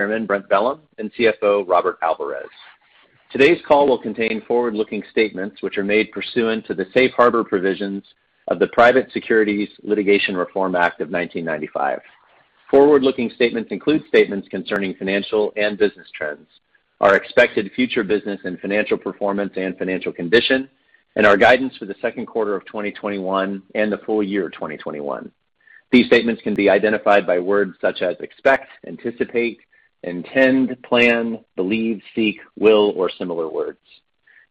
Chairman Brent Bellm and CFO Robert Alvarez. Today's call will contain forward-looking statements, which are made pursuant to the Safe Harbor provisions of the Private Securities Litigation Reform Act of 1995. Forward-looking statements include statements concerning financial and business trends, our expected future business and financial performance and financial condition, and our guidance for the 2nd quarter of 2021 and the full year 2021. These statements can be identified by words such as expect, anticipate, intend, plan, believe, seek, will, or similar words.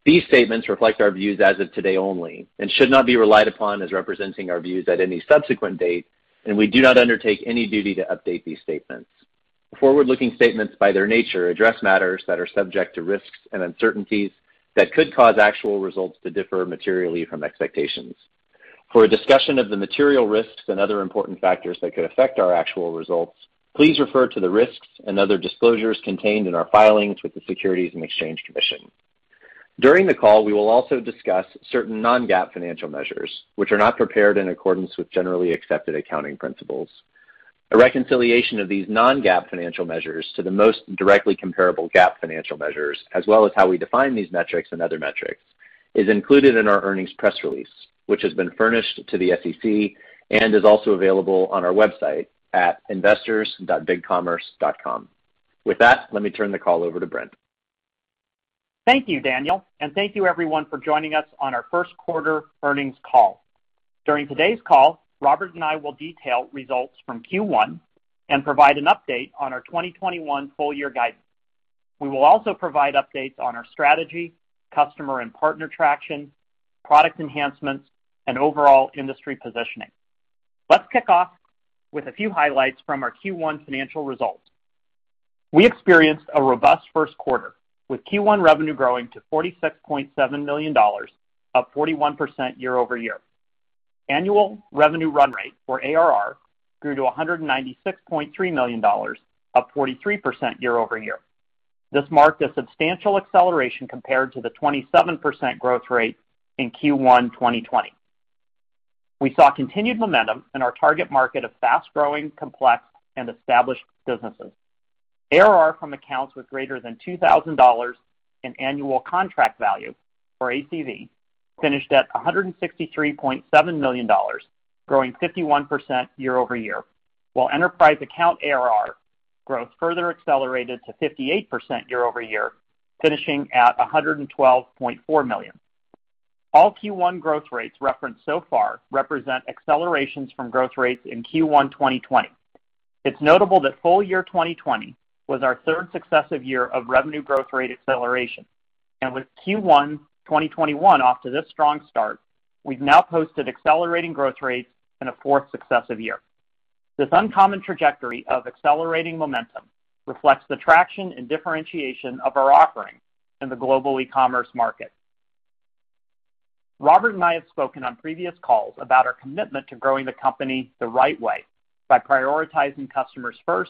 These statements reflect our views as of today only and should not be relied upon as representing our views at any subsequent date, and we do not undertake any duty to update these statements. Forward-looking statements, by their nature, address matters that are subject to risks and uncertainties that could cause actual results to differ materially from expectations. For a discussion of the material risks and other important factors that could affect our actual results, please refer to the risks and other disclosures contained in our filings with the Securities and Exchange Commission. During the call, we will also discuss certain non-GAAP financial measures, which are not prepared in accordance with generally accepted accounting principles. A reconciliation of these non-GAAP financial measures to the most directly comparable GAAP financial measures, as well as how we define these metrics and other metrics, is included in our earnings press release, which has been furnished to the SEC and is also available on our website at investors.bigcommerce.com. With that, let me turn the call over to Brent. Thank you, Daniel, and thank you everyone for joining us on our 1st quarter earnings call. During today's call, Robert and I will detail results from Q1 and provide an update on our 2021 full year guidance. We will also provide updates on our strategy, customer and partner traction, product enhancements, and overall industry positioning. Let's kick off with a few highlights from our Q1 financial results. We experienced a robust 1st quarter, with Q1 revenue growing to $46.7 million, up 41% year-over-year. Annual revenue run rate, or ARR, grew to $196.3 million, up 43% year-over-year. This marked a substantial acceleration compared to the 27% growth rate in Q1 2020. We saw continued momentum in our target market of fast-growing, complex, and established businesses. ARR from accounts with greater than $2,000 in annual contract value, or ACV, finished at $163.7 million, growing 51% year-over-year, while enterprise account ARR growth further accelerated to 58% year-over-year, finishing at $112.4 million. All Q1 growth rates referenced so far represent accelerations from growth rates in Q1 2020. It's notable that full year 2020 was our 3rd successive year of revenue growth rate acceleration. With Q1 2021 off to this strong start, we've now posted accelerating growth rates in a fourth successive year. This uncommon trajectory of accelerating momentum reflects the traction and differentiation of our offering in the global e-commerce market. Robert and I have spoken on previous calls about our commitment to growing the company the right way by prioritizing customers 1st,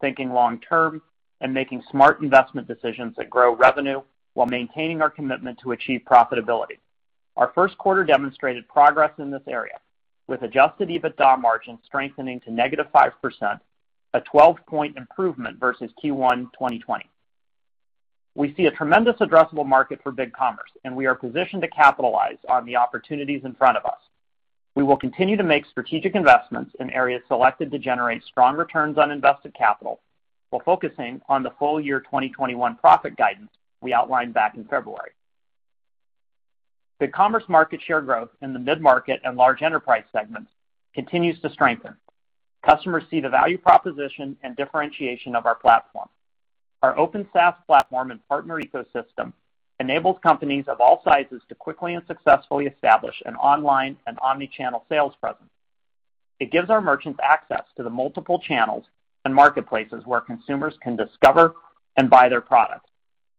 thinking long term, and making smart investment decisions that grow revenue while maintaining our commitment to achieve profitability. Our 1st quarter demonstrated progress in this area, with adjusted EBITDA margins strengthening to negative 5%, a 12-point improvement versus Q1 2020. We see a tremendous addressable market for BigCommerce, we are positioned to capitalize on the opportunities in front of us. We will continue to make strategic investments in areas selected to generate strong returns on invested capital while focusing on the full year 2021 profit guidance we outlined back in February. BigCommerce market share growth in the mid-market and large enterprise segments continues to strengthen. Customers see the value proposition and differentiation of our platform. Our open SaaS platform and partner ecosystem enables companies of all sizes to quickly and successfully establish an online and omni-channel sales presence. It gives our merchants access to the multiple channels and marketplaces where consumers can discover and buy their product,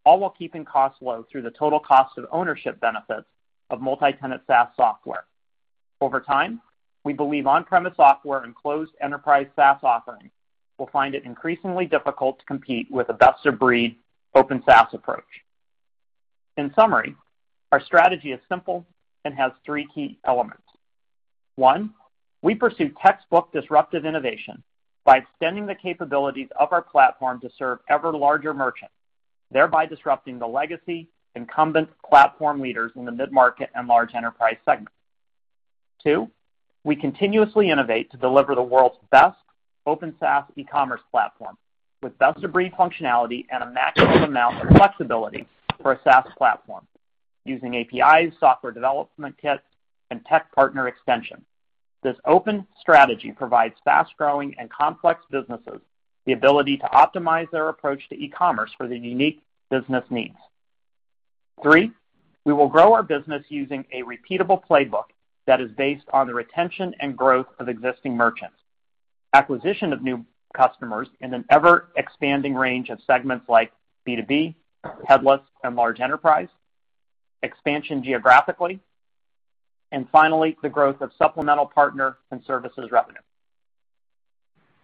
all while keeping costs low through the total cost of ownership benefits of multi-tenant SaaS software. Over time, we believe on-premise software and closed enterprise SaaS offerings will find it increasingly difficult to compete with a best-of-breed open SaaS approach. In summary, our strategy is simple and has three key elements. One, we pursue textbook disruptive innovation by extending the capabilities of our platform to serve ever larger merchants, thereby disrupting the legacy incumbent platform leaders in the mid-market and large enterprise segments. Two, we continuously innovate to deliver the world's best open SaaS e-commerce platform with best-of-breed functionality and a maximum amount of flexibility for a SaaS platform using APIs, software development kits, and tech partner extension. This open strategy provides fast-growing and complex businesses the ability to optimize their approach to ecommerce for their unique business needs. Three, we will grow our business using a repeatable playbook that is based on the retention and growth of existing merchants, acquisition of new customers in an ever-expanding range of segments like B2B, headless, and large enterprise, expansion geographically, and finally, the growth of supplemental partner and services revenue.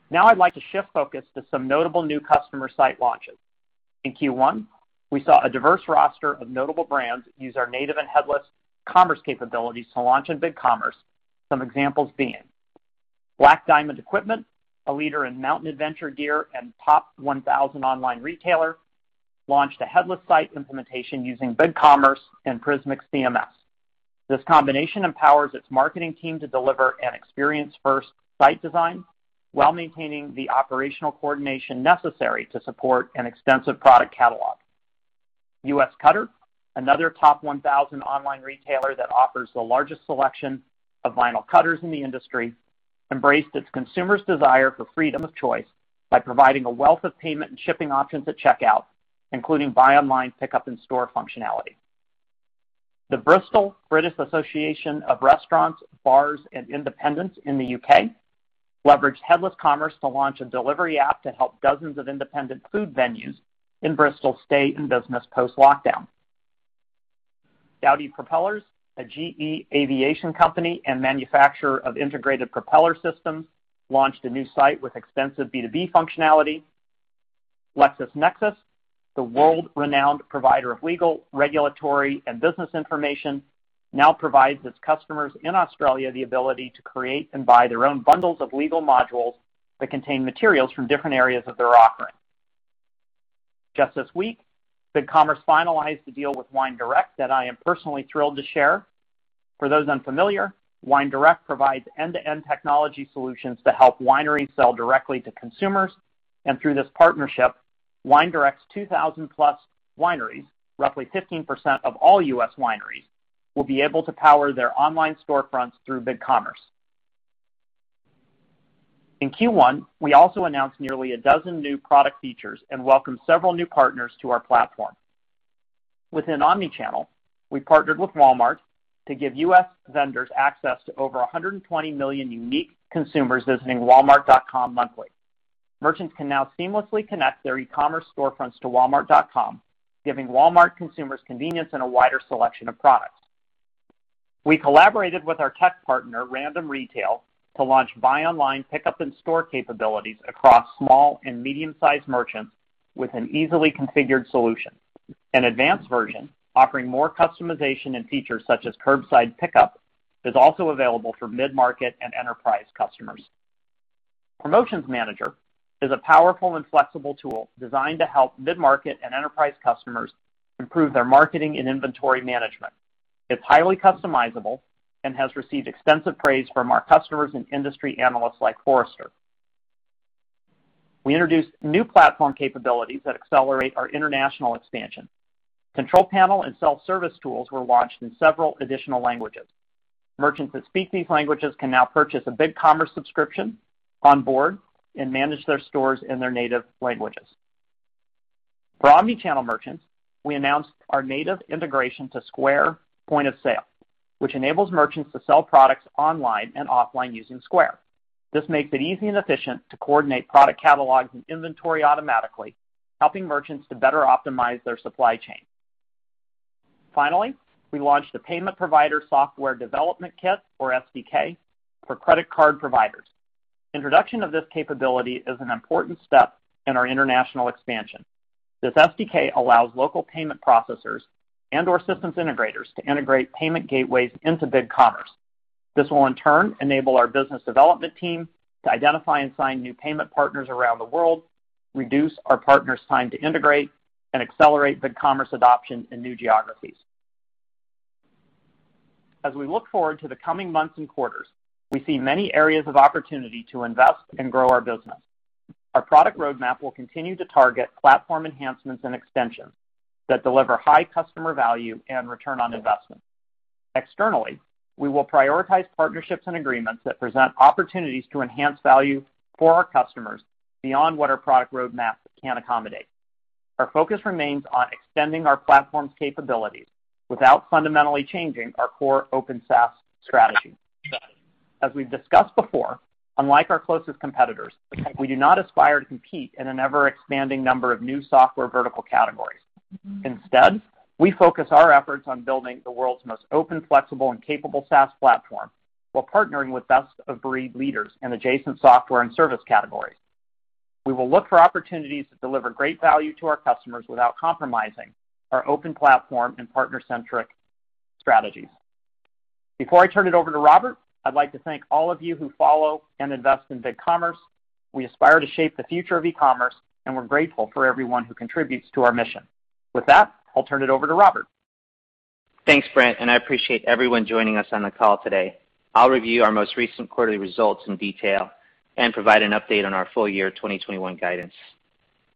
Now I'd like to shift focus to some notable new customer site launches. In Q1, we saw a diverse roster of notable brands use our native and headless commerce capabilities to launch in BigCommerce, some examples being Black Diamond Equipment, a leader in mountain adventure gear and top 1,000 online retailer, launched a headless site implementation using BigCommerce and Prismic CMS. This combination empowers its marketing team to deliver an experience-first site design while maintaining the operational coordination necessary to support an extensive product catalog. USCutter, another top 1,000 online retailer that offers the largest selection of vinyl cutters in the industry, embraced its consumers' desire for freedom of choice by providing a wealth of payment and shipping options at checkout, including buy online, pickup in store functionality. The Bristol Association of Restaurants, Bars and Independents in the U.K. leveraged headless commerce to launch a delivery app to help dozens of independent food venues in Bristol stay in business post-lockdown. Dowty Propellers, a GE Aviation company and manufacturer of integrated propeller systems, launched a new site with extensive B2B functionality. LexisNexis, the world-renowned provider of legal, regulatory, and business information, now provides its customers in Australia the ability to create and buy their own bundles of legal modules that contain materials from different areas of their offering. Just this week, BigCommerce finalized a deal with WineDirect that I am personally thrilled to share. For those unfamiliar, WineDirect provides end-to-end technology solutions to help wineries sell directly to consumers, and through this partnership, WineDirect's 2,000+ wineries, roughly 15% of all U.S. wineries, will be able to power their online storefronts through BigCommerce. In Q1, we also announced nearly a dozen new product features and welcomed several new partners to our platform. Within omnichannel, we partnered with Walmart to give U.S. vendors access to over 120 million unique consumers visiting walmart.com monthly. Merchants can now seamlessly connect their ecommerce storefronts to walmart.com, giving Walmart consumers convenience and a wider selection of products. We collaborated with our tech partner, RANDEMRETAIL, to launch buy online, pickup in-store capabilities across small and medium-sized merchants with an easily configured solution. An advanced version offering more customization and features such as curbside pickup is also available for mid-market and enterprise customers. Promotions Manager is a powerful and flexible tool designed to help mid-market and enterprise customers improve their marketing and inventory management. It's highly customizable and has received extensive praise from our customers and industry analysts like Forrester. We introduced new platform capabilities that accelerate our international expansion. Control panel and self-service tools were launched in several additional languages. Merchants that speak these languages can now purchase a BigCommerce subscription, onboard, and manage their stores in their native languages. For omnichannel merchants, we announced our native integration to Square Point of Sale, which enables merchants to sell products online and offline using Square. This makes it easy and efficient to coordinate product catalogs and inventory automatically, helping merchants to better optimize their supply chain. Finally, we launched the Payment Provider Software Development Kit, or SDK, for credit card providers. Introduction of this capability is an important step in our international expansion. This SDK allows local payment processors and/or systems integrators to integrate payment gateways into BigCommerce. This will, in turn, enable our business development team to identify and sign new payment partners around the world, reduce our partners' time to integrate, and accelerate BigCommerce adoption in new geographies. As we look forward to the coming months and quarters, we see many areas of opportunity to invest and grow our business. Our product roadmap will continue to target platform enhancements and extensions that deliver high customer value and return on investment. Externally, we will prioritize partnerships and agreements that present opportunities to enhance value for our customers beyond what our product roadmap can accommodate. Our focus remains on extending our platform's capabilities without fundamentally changing our core open SaaS strategy. As we've discussed before, unlike our closest competitors, we do not aspire to compete in an ever-expanding number of new software vertical categories. Instead, we focus our efforts on building the world's most open, flexible, and capable SaaS platform while partnering with best-of-breed leaders in adjacent software and service categories. We will look for opportunities that deliver great value to our customers without compromising our open platform and partner-centric strategies. Before I turn it over to Robert, I'd like to thank all of you who follow and invest in BigCommerce. We aspire to shape the future of ecommerce, and we're grateful for everyone who contributes to our mission. With that, I'll turn it over to Robert. Thanks, Brent. I appreciate everyone joining us on the call today. I'll review our most recent quarterly results in detail and provide an update on our full year 2021 guidance.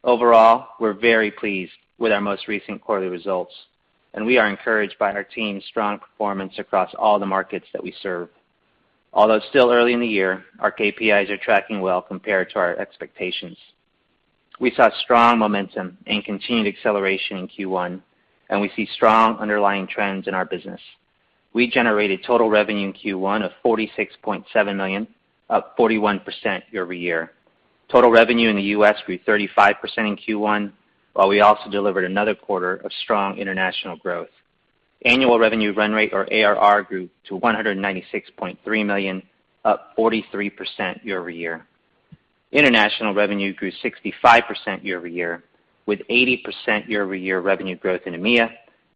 Overall, we're very pleased with our most recent quarterly results, and we are encouraged by our team's strong performance across all the markets that we serve. Although it's still early in the year, our KPIs are tracking well compared to our expectations. We saw strong momentum and continued acceleration in Q1, and we see strong underlying trends in our business. We generated total revenue in Q1 of $46.7 million, up 41% year-over-year. Total revenue in the U.S. grew 35% in Q1, while we also delivered another quarter of strong international growth. Annual revenue run rate, or ARR, grew to $196.3 million, up 43% year-over-year. International revenue grew 65% year-over-year, with 80% year-over-year revenue growth in EMEA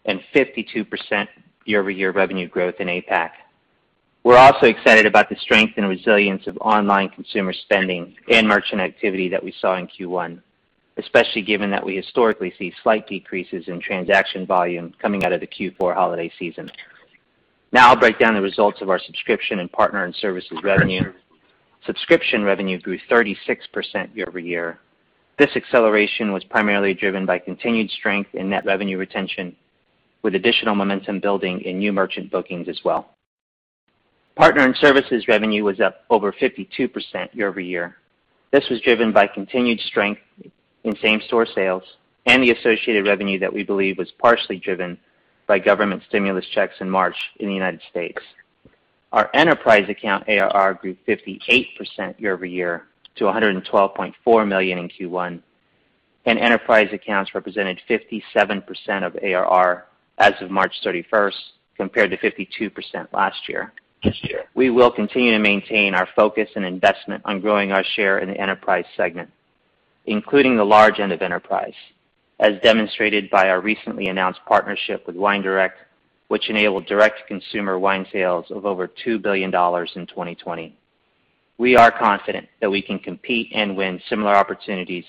and 52% year-over-year revenue growth in APAC. We're also excited about the strength and resilience of online consumer spending and merchant activity that we saw in Q1, especially given that we historically see slight decreases in transaction volume coming out of the Q4 holiday season. Now I'll break down the results of our subscription and partner and services revenue. Subscription revenue grew 36% year-over-year. This acceleration was primarily driven by continued strength in net revenue retention, with additional momentum building in new merchant bookings as well. Partner and services revenue was up over 52% year-over-year. This was driven by continued strength in same-store sales and the associated revenue that we believe was partially driven by government stimulus checks in March in the U.S. Our enterprise account ARR grew 58% year-over-year to $112.4 million in Q1. Enterprise accounts represented 57% of ARR as of March 31st, compared to 52% last year. We will continue to maintain our focus and investment on growing our share in the enterprise segment, including the large end of enterprise, as demonstrated by our recently announced partnership with WineDirect, which enabled direct-to-consumer wine sales of over $2 billion in 2020. We are confident that we can compete and win similar opportunities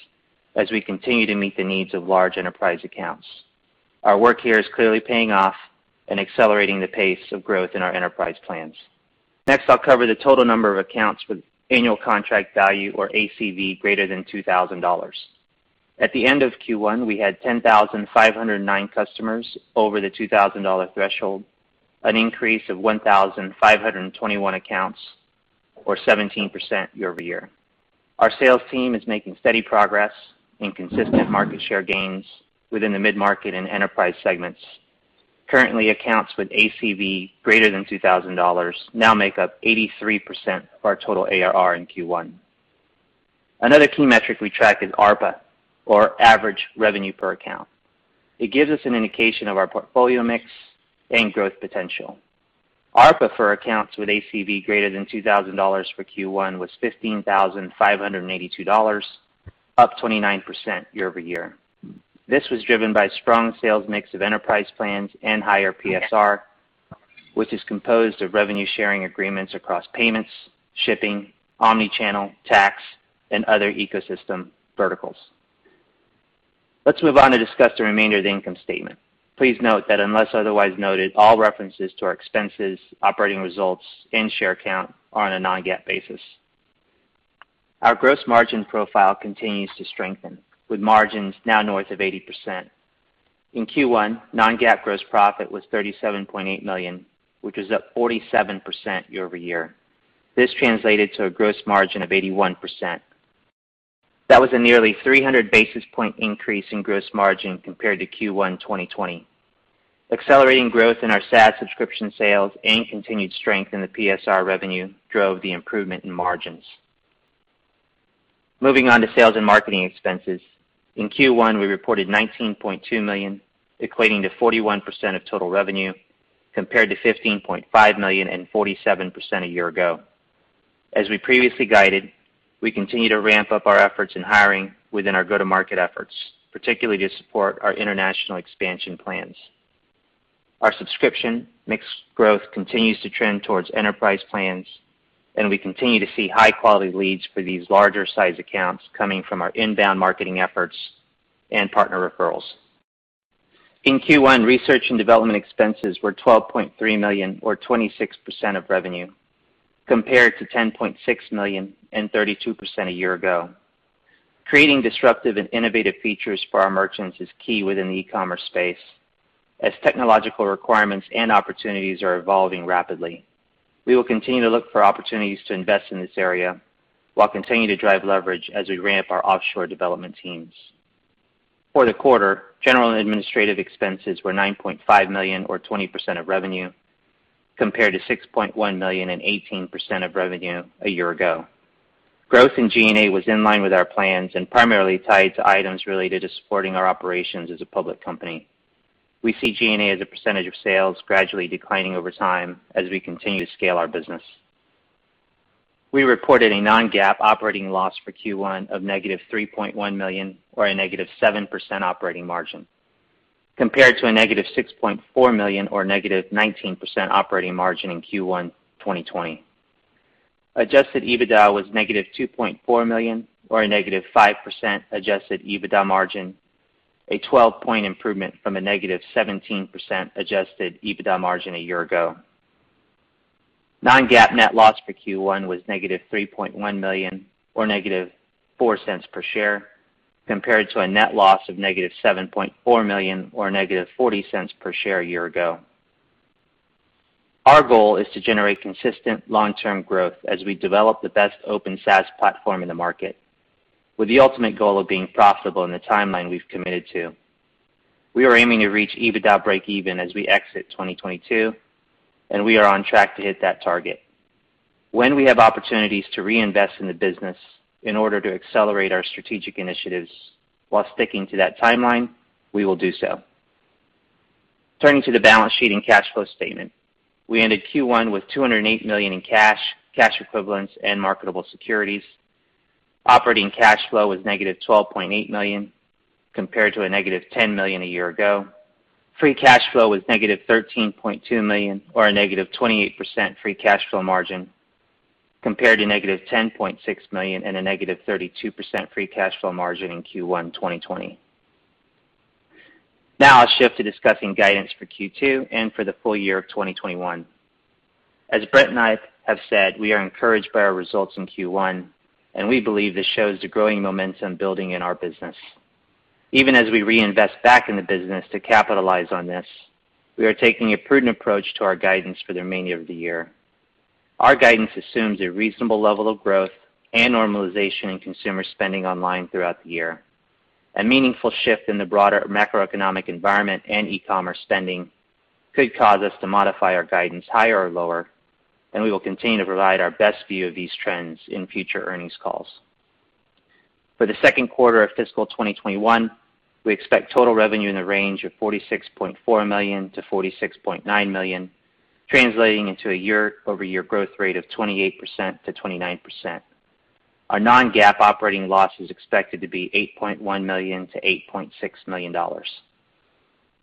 as we continue to meet the needs of large enterprise accounts. Our work here is clearly paying off and accelerating the pace of growth in our enterprise plans. Next, I'll cover the total number of accounts with annual contract value, or ACV, greater than $2,000. At the end of Q1, we had 10,509 customers over the $2,000 threshold, an increase of 1,521 accounts or 17% year-over-year. Our sales team is making steady progress in consistent market share gains within the mid-market and enterprise segments. Currently, accounts with ACV greater than $2,000 now make up 83% of our total ARR in Q1. Another key metric we track is ARPA, or average revenue per account. It gives us an indication of our portfolio mix and growth potential. ARPA for accounts with ACV greater than $2,000 for Q1 was $15,582, up 29% year-over-year. This was driven by strong sales mix of enterprise plans and higher PSR, which is composed of revenue-sharing agreements across payments, shipping, omni-channel, tax, and other ecosystem verticals. Let's move on to discuss the remainder of the income statement. Please note that unless otherwise noted, all references to our expenses, operating results, and share count are on a non-GAAP basis. Our gross margin profile continues to strengthen, with margins now north of 80%. In Q1, non-GAAP gross profit was $37.8 million, which was up 47% year-over-year. This translated to a gross margin of 81%. That was a nearly 300 basis point increase in gross margin compared to Q1 2020. Accelerating growth in our SaaS subscription sales and continued strength in the PSR revenue drove the improvement in margins. Moving on to sales and marketing expenses. In Q1, we reported $19.2 million, equating to 41% of total revenue, compared to $15.5 million and 47% a year ago. As we previously guided, we continue to ramp up our efforts in hiring within our go-to-market efforts, particularly to support our international expansion plans. Our subscription mix growth continues to trend towards enterprise plans. We continue to see high-quality leads for these larger size accounts coming from our inbound marketing efforts and partner referrals. In Q1, research and development expenses were $12.3 million or 26% of revenue, compared to $10.6 million and 32% a year ago. Creating disruptive and innovative features for our merchants is key within the e-commerce space, as technological requirements and opportunities are evolving rapidly. We will continue to look for opportunities to invest in this area while continuing to drive leverage as we ramp our offshore development teams. For the quarter, general and administrative expenses were $9.5 million or 20% of revenue, compared to $6.1 million and 18% of revenue a year ago. Growth in G&A was in line with our plans and primarily tied to items related to supporting our operations as a public company. We see G&A as a percentage of sales gradually declining over time as we continue to scale our business. We reported a non-GAAP operating loss for Q1 of -$3.1 million or a -7% operating margin, compared to a -$6.4 million or a -19% operating margin in Q1 2020. Adjusted EBITDA was -$2.4 million or a -5% adjusted EBITDA margin, a 12-point improvement from a -17% adjusted EBITDA margin a year ago. Non-GAAP net loss for Q1 was -$3.1 million or -$0.04 per share, compared to a net loss of -$7.4 million or -$0.40 per share a year ago. Our goal is to generate consistent long-term growth as we develop the best open SaaS platform in the market, with the ultimate goal of being profitable in the timeline we've committed to. We are aiming to reach EBITDA breakeven as we exit 2022. We are on track to hit that target. When we have opportunities to reinvest in the business in order to accelerate our strategic initiatives while sticking to that timeline, we will do so. Turning to the balance sheet and cash flow statement, we ended Q1 with $208 million in cash equivalents, and marketable securities. Operating cash flow was negative $12.8 million compared to a negative $10 million a year ago. Free cash flow was negative $13.2 million, or a negative 28% free cash flow margin, compared to negative $10.6 million and a negative 32% free cash flow margin in Q1 2020. I'll shift to discussing guidance for Q2 and for the full year of 2021. As Brent and I have said, we are encouraged by our results in Q1, and we believe this shows the growing momentum building in our business. Even as we reinvest back in the business to capitalize on this, we are taking a prudent approach to our guidance for the remainder of the year. Our guidance assumes a reasonable level of growth and normalization in consumer spending online throughout the year. A meaningful shift in the broader macroeconomic environment and e-commerce spending could cause us to modify our guidance higher or lower, and we will continue to provide our best view of these trends in future earnings calls. For the 2nd quarter of fiscal 2021, we expect total revenue in the range of $46.4 million-$46.9 million, translating into a year-over-year growth rate of 28%-29%. Our non-GAAP operating loss is expected to be $8.1 million-$8.6 million.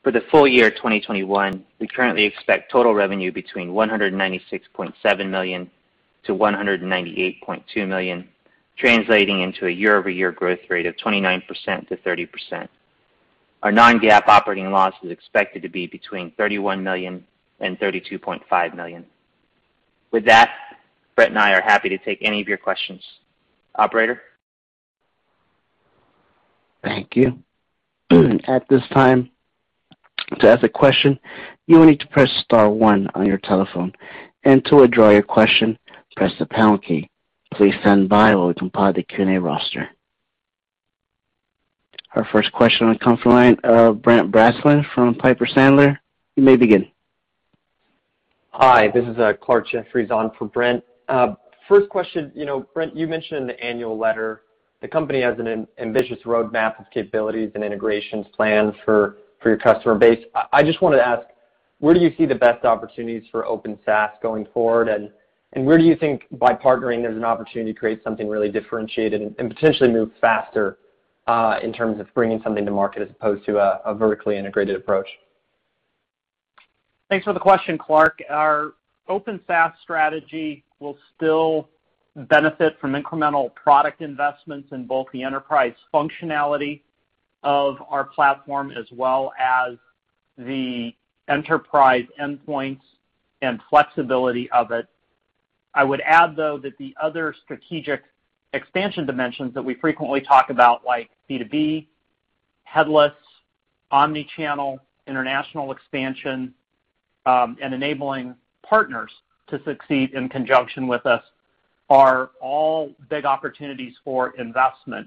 For the full year 2021, we currently expect total revenue between $196.7 million-$198.2 million, translating into a year-over-year growth rate of 29%-30%. Our non-GAAP operating loss is expected to be between $31 million and $32.5 million. With that, Brent and I are happy to take any of your questions. Operator? Thank you. At this time, to ask a question, you will need to press star one on your telephone. And to withdraw your question, press the pound key. Please stand by while we compile the Q&A roster. Our first question will come from the line of Brent Bracelin from Piper Sandler. You may begin. Hi, this is Clarke Jeffries on for Brent. First question. Brent, you mentioned in the annual letter the company has an ambitious roadmap of capabilities and integrations planned for your customer base. I just wanted to ask, where do you see the best opportunities for open SaaS going forward, and where do you think by partnering, there's an opportunity to create something really differentiated and potentially move faster, in terms of bringing something to market as opposed to a vertically integrated approach? Thanks for the question, Clarke. Our open SaaS strategy will still benefit from incremental product investments in both the enterprise functionality of our platform, as well as the enterprise endpoints and flexibility of it. I would add, though, that the other strategic expansion dimensions that we frequently talk about, like B2B, headless, omni-channel, international expansion, and enabling partners to succeed in conjunction with us, are all big opportunities for investment.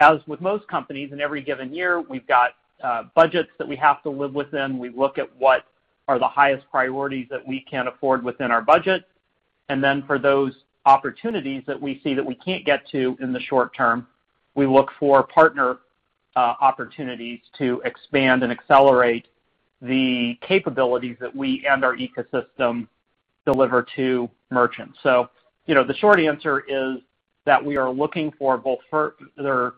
As with most companies, in every given year, we've got budgets that we have to live within. We look at what are the highest priorities that we can afford within our budget. Then for those opportunities that we see that we can't get to in the short term, we look for partner opportunities to expand and accelerate the capabilities that we and our ecosystem deliver to merchants. The short answer is that we are looking for both further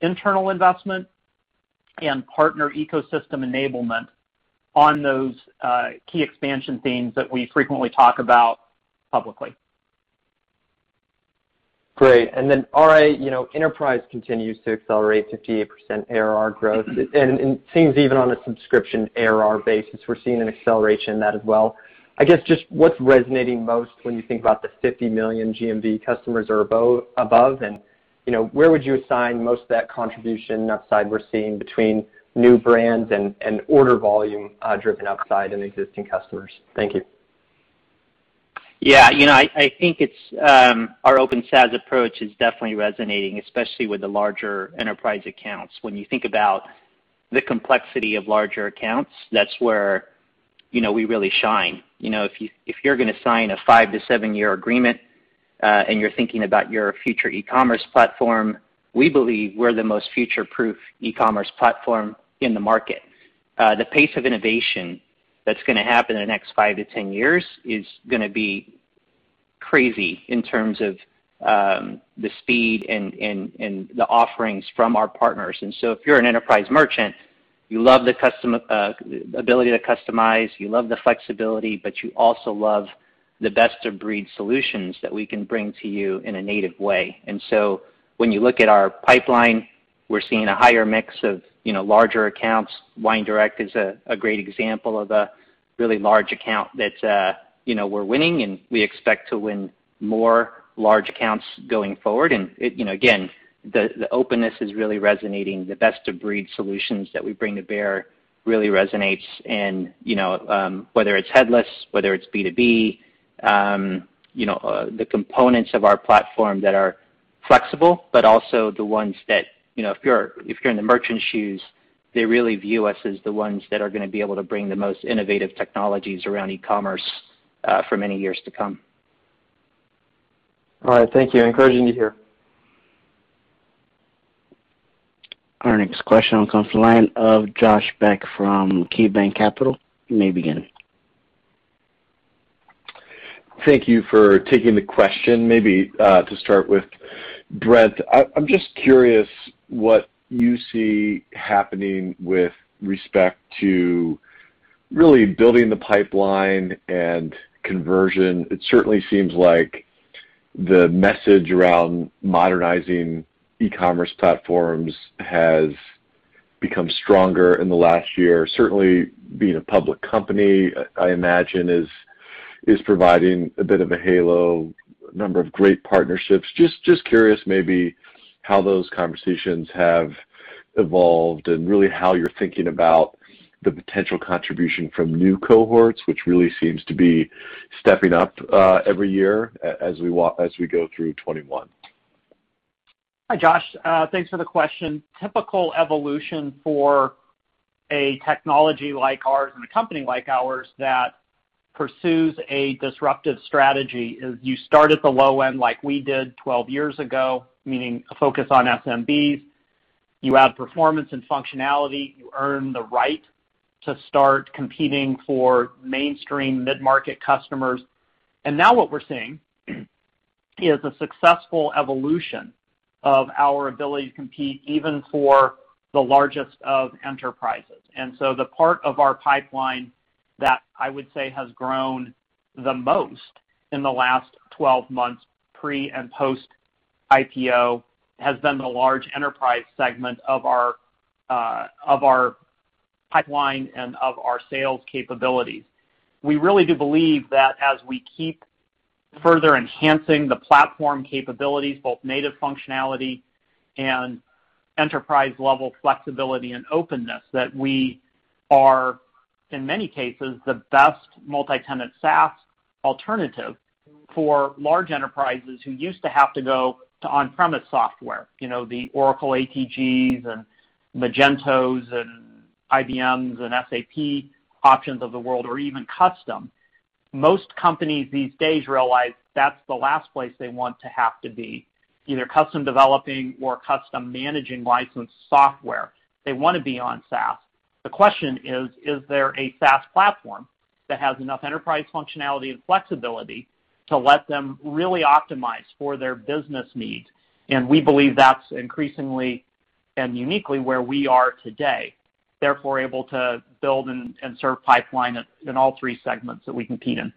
internal investment and partner ecosystem enablement on those key expansion themes that we frequently talk about publicly. Great. RA, Enterprise continues to accelerate 58% ARR growth, and it seems even on a subscription ARR basis, we're seeing an acceleration in that as well. What's resonating most when you think about the 50 million GMV customers or above, and where would you assign most of that contribution upside we're seeing between new brands and order volume driven upside in existing customers? Thank you. I think our open SaaS approach is definitely resonating, especially with the larger enterprise accounts. When you think about the complexity of larger accounts, that's where we really shine. If you're going to sign a five-seven year agreement, and you're thinking about your future e-commerce platform, we believe we're the most future-proof e-commerce platform in the market. The pace of innovation that's going to happen in the next 5-10 years is going to be crazy in terms of the speed and the offerings from our partners. If you're an enterprise merchant, you love the ability to customize, you love the flexibility, but you also love the best-of-breed solutions that we can bring to you in a native way. When you look at our pipeline, we're seeing a higher mix of larger accounts. WineDirect is a great example of a really large account that we're winning. We expect to win more large accounts going forward. Again, the openness is really resonating. The best-of-breed solutions that we bring to bear really resonate in whether it's headless, whether it's B2B, the components of our platform that are flexible. But also the ones that, if you're in the merchant's shoes, they really view us as the ones that are going to be able to bring the most innovative technologies around e-commerce for many years to come. All right. Thank you. Encouraging to hear. Our next question comes from the line of Josh Beck from KeyBanc Capital. You may begin. Thank you for taking the question. Maybe to start with Brent, I am just curious what you see happening with respect to really building the pipeline and conversion. It certainly seems like the message around modernizing ecommerce platforms has become stronger in the last year. Certainly being a public company, I imagine is providing a bit of a halo, a number of great partnerships. Just curious maybe how those conversations have evolved and really how you are thinking about the potential contribution from new cohorts, which really seems to be stepping up every year as we go through 2021. Hi, Josh. Thanks for the question. Typical evolution for a technology like ours and a company like ours that pursues a disruptive strategy is you start at the low end like we did 12 years ago, meaning a focus on SMBs. You add performance and functionality, you earn the right to start competing for mainstream mid-market customers. Now what we're seeing is a successful evolution of our ability to compete even for the largest of enterprises. The part of our pipeline that I would say has grown the most in the last 12 months, pre and post IPO, has been the large enterprise segment of our pipeline and of our sales capabilities. We really do believe that as we keep further enhancing the platform capabilities, both native functionality and enterprise level flexibility and openness, that we are, in many cases, the best multi-tenant SaaS alternative for large enterprises who used to have to go to on-premise software. The Oracle ATGs and Magentos and IBMs and SAPs options of the world, or even custom. Most companies these days realize that's the last place they want to have to be, either custom developing or custom managing licensed software. They want to be on SaaS. The question is there a SaaS platform that has enough enterprise functionality and flexibility to let them really optimize for their business needs? We believe that's increasingly and uniquely where we are today, therefore able to build and serve pipeline in all three segments that we compete in.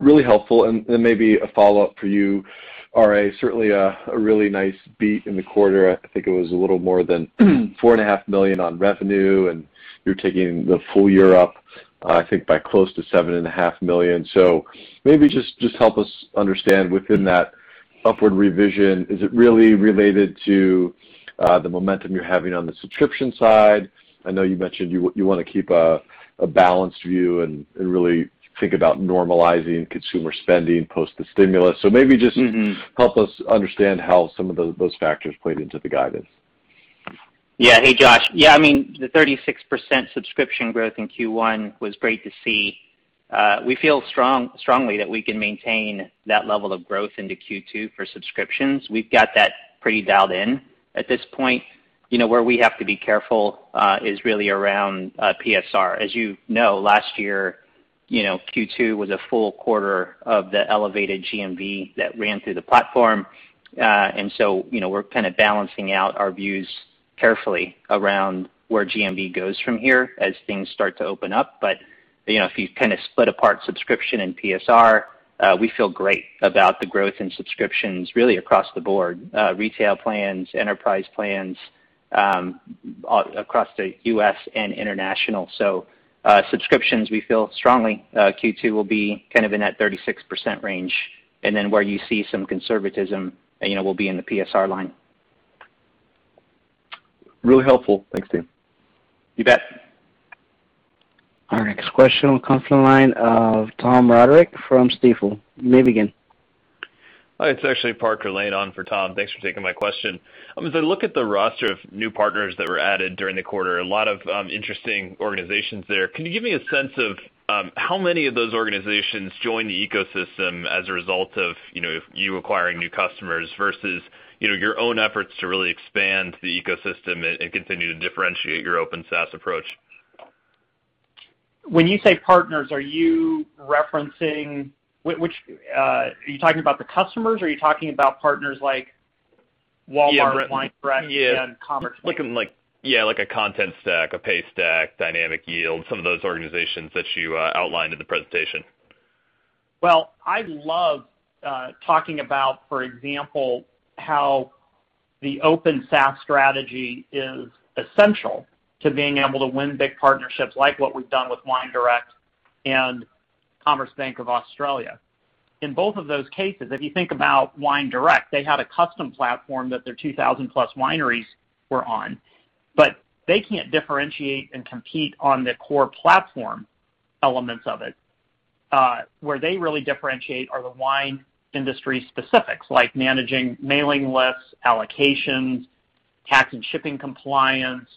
Really helpful, then maybe a follow-up for you, RA. Certainly a really nice beat in the quarter. I think it was a little more than $4.5 million on revenue, and you're taking the full year up, I think, by close to $7.5 million. Maybe just help us understand within that upward revision, is it really related to the momentum you're having on the subscription side? I know you mentioned you want to keep a balanced view and really think about normalizing consumer spending post the stimulus. help us understand how some of those factors played into the guidance. Yeah. Hey, Josh. Yeah, I mean, the 36% subscription growth in Q1 was great to see. We feel strongly that we can maintain that level of growth into Q2 for subscriptions. We've got that pretty dialed in at this point. Where we have to be careful, is really around PSR. As you know, last year, Q2 was a full quarter of the elevated GMV that ran through the platform. We're kind of balancing out our views carefully around where GMV goes from here as things start to open up. If you kind of split apart subscription and PSR, we feel great about the growth in subscriptions, really across the board, retail plans, enterprise plans, across the U.S. and international. Subscriptions, we feel strongly, Q2 will be kind of in that 36% range. Where you see some conservatism will be in the PSR line. Really helpful. Thanks, team. You bet. Our next question comes from the line of Tom Roderick from Stifel. You may begin. Hi, it's actually Parker Lane on for Tom. Thanks for taking my question. As I look at the roster of new partners that were added during the quarter, a lot of interesting organizations there. Can you give me a sense of how many of those organizations join the ecosystem as a result of you acquiring new customers versus your own efforts to really expand the ecosystem and continue to differentiate your open SaaS approach? When you say partners, are you talking about the customers? Are you talking about partners like Walmart? Yeah WineDirect Yeah Commerce Bank? Yeah, like a Contentstack, a Paystack, Dynamic Yield, some of those organizations that you outlined in the presentation. Well, I love talking about, for example, how the open SaaS strategy is essential to being able to win big partnerships like what we've done with WineDirect and Commonwealth Bank of Australia. In both of those cases, if you think about WineDirect, they had a custom platform that their 2,000 plus wineries were on. They can't differentiate and compete on the core platform elements of it. Where they really differentiate are the wine industry specifics, like managing mailing lists, allocations, tax and shipping compliance,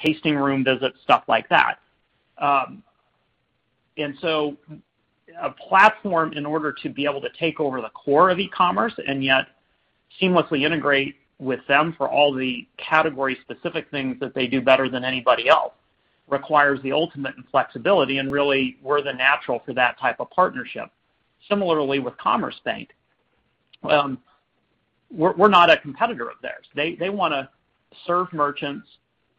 tasting room visits, stuff like that. A platform, in order to be able to take over the core of e-commerce and yet seamlessly integrate with them for all the category-specific things that they do better than anybody else, requires the ultimate in flexibility, and really, we're the natural for that type of partnership. Similarly with Commonwealth Bank, we're not a competitor of theirs. They want to serve merchants,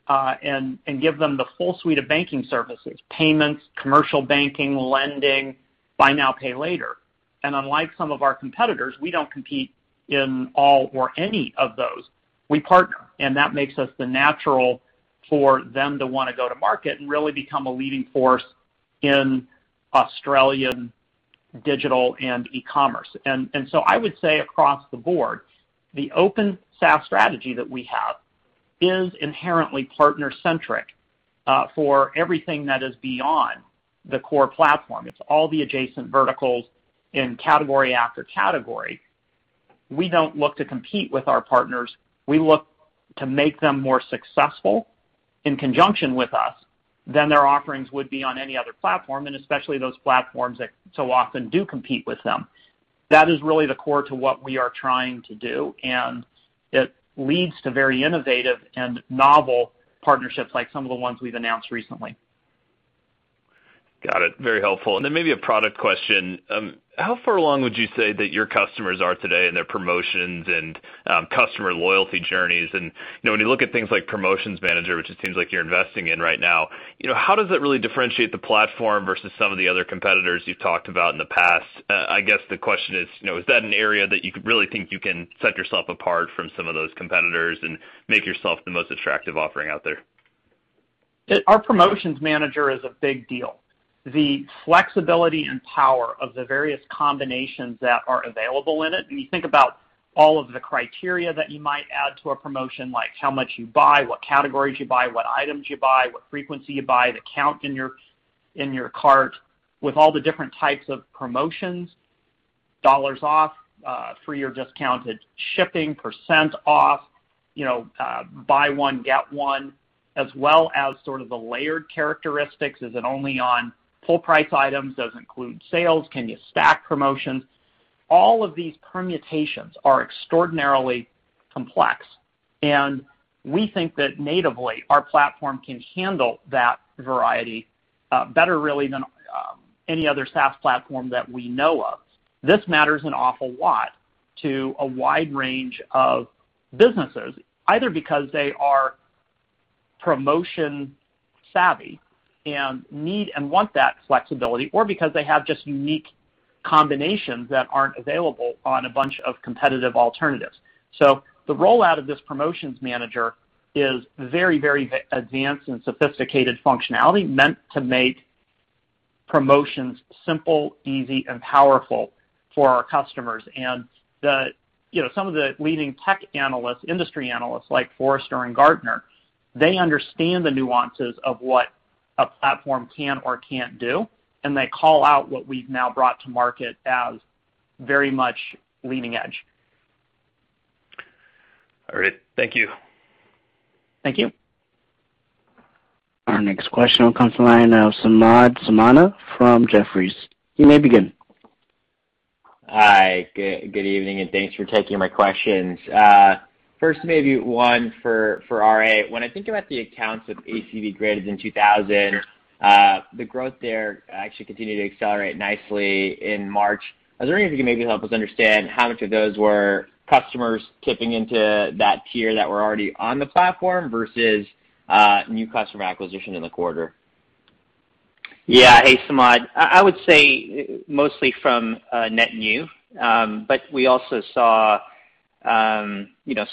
and give them the full suite of banking services, payments, commercial banking, lending, buy now, pay later. Unlike some of our competitors, we don't compete in all or any of those. We partner, that makes us the natural for them to want to go to market and really become a leading force in Australian digital and e-commerce. I would say across the board, the open SaaS strategy that we have is inherently partner-centric, for everything that is beyond the core platform. It's all the adjacent verticals in category after category. We don't look to compete with our partners. We look to make them more successful in conjunction with us than their offerings would be on any other platform, and especially those platforms that so often do compete with them. That is really the core to what we are trying to do, and it leads to very innovative and novel partnerships like some of the ones we've announced recently. Got it. Very helpful. Maybe a product question. How far along would you say that your customers are today in their promotions and customer loyalty journeys? When you look at things like Promotions Manager, which it seems like you're investing in right now, how does that really differentiate the platform versus some of the other competitors you've talked about in the past? I guess the question is that an area that you could really think you can set yourself apart from some of those competitors and make yourself the most attractive offering out there? Our Promotions Manager is a big deal. The flexibility and power of the various combinations that are available in it, when you think about all of the criteria that you might add to a promotion, like how much you buy, what categories you buy, what items you buy, what frequency you buy, the count in your cart, with all the different types of promotions, dollars off, free or discounted shipping, percent off, buy one, get one, as well as sort of the layered characteristics. Is it only on full price items? Does it include sales? Can you stack promotions? All of these permutations are extraordinarily complex, and we think that natively, our platform can handle that variety, better really than any other SaaS platform that we know of. This matters an awful lot to a wide range of businesses, either because they are promotion savvy and need and want that flexibility, or because they have just unique combinations that aren't available on a bunch of competitive alternatives. The rollout of this Promotions Manager is very, very advanced and sophisticated functionality meant to make promotions simple, easy, and powerful for our customers. Some of the leading tech analysts, industry analysts like Forrester and Gartner, they understand the nuances of what a platform can or can't do, and they call out what we've now brought to market as very much leading edge. All right. Thank you. Thank you. Our next question will come from the line of Samad Samana from Jefferies. You may begin. Hi. Good evening, and thanks for taking my questions. 1st maybe one for RA. When I think about the accounts with ACV graded in $2,000, the growth there actually continued to accelerate nicely in March. I was wondering if you could maybe help us understand how much of those were customers tipping into that tier that were already on the platform versus new customer acquisition in the quarter. Hey, Samad. I would say mostly from net new. We also saw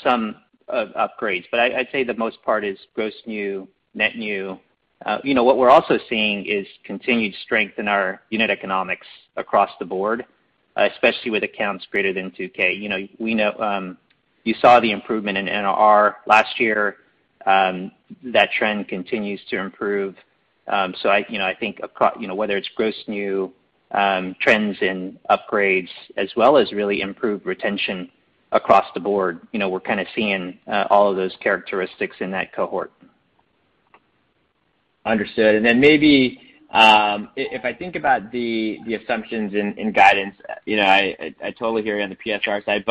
some upgrades, but I'd say the most part is gross new, net new. What we're also seeing is continued strength in our unit economics across the board, especially with accounts greater than 2K. You saw the improvement in NRR last year. That trend continues to improve. I think whether it's gross new trends in upgrades as well as really improved retention across the board, we're kind of seeing all of those characteristics in that cohort. Understood. Maybe, if I think about the assumptions in guidance, I totally hear you on the PSR side,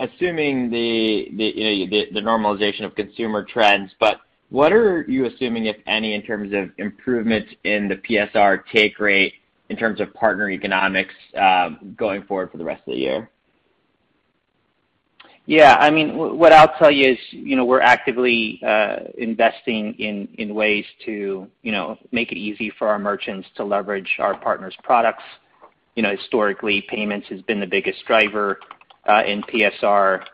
assuming the normalization of consumer trends, what are you assuming, if any, in terms of improvements in the PSR take rate in terms of partner economics, going forward for the rest of the year? Yeah, what I'll tell you is we're actively investing in ways to make it easy for our merchants to leverage our partners' products. Historically, payments has been the biggest driver, in PSR.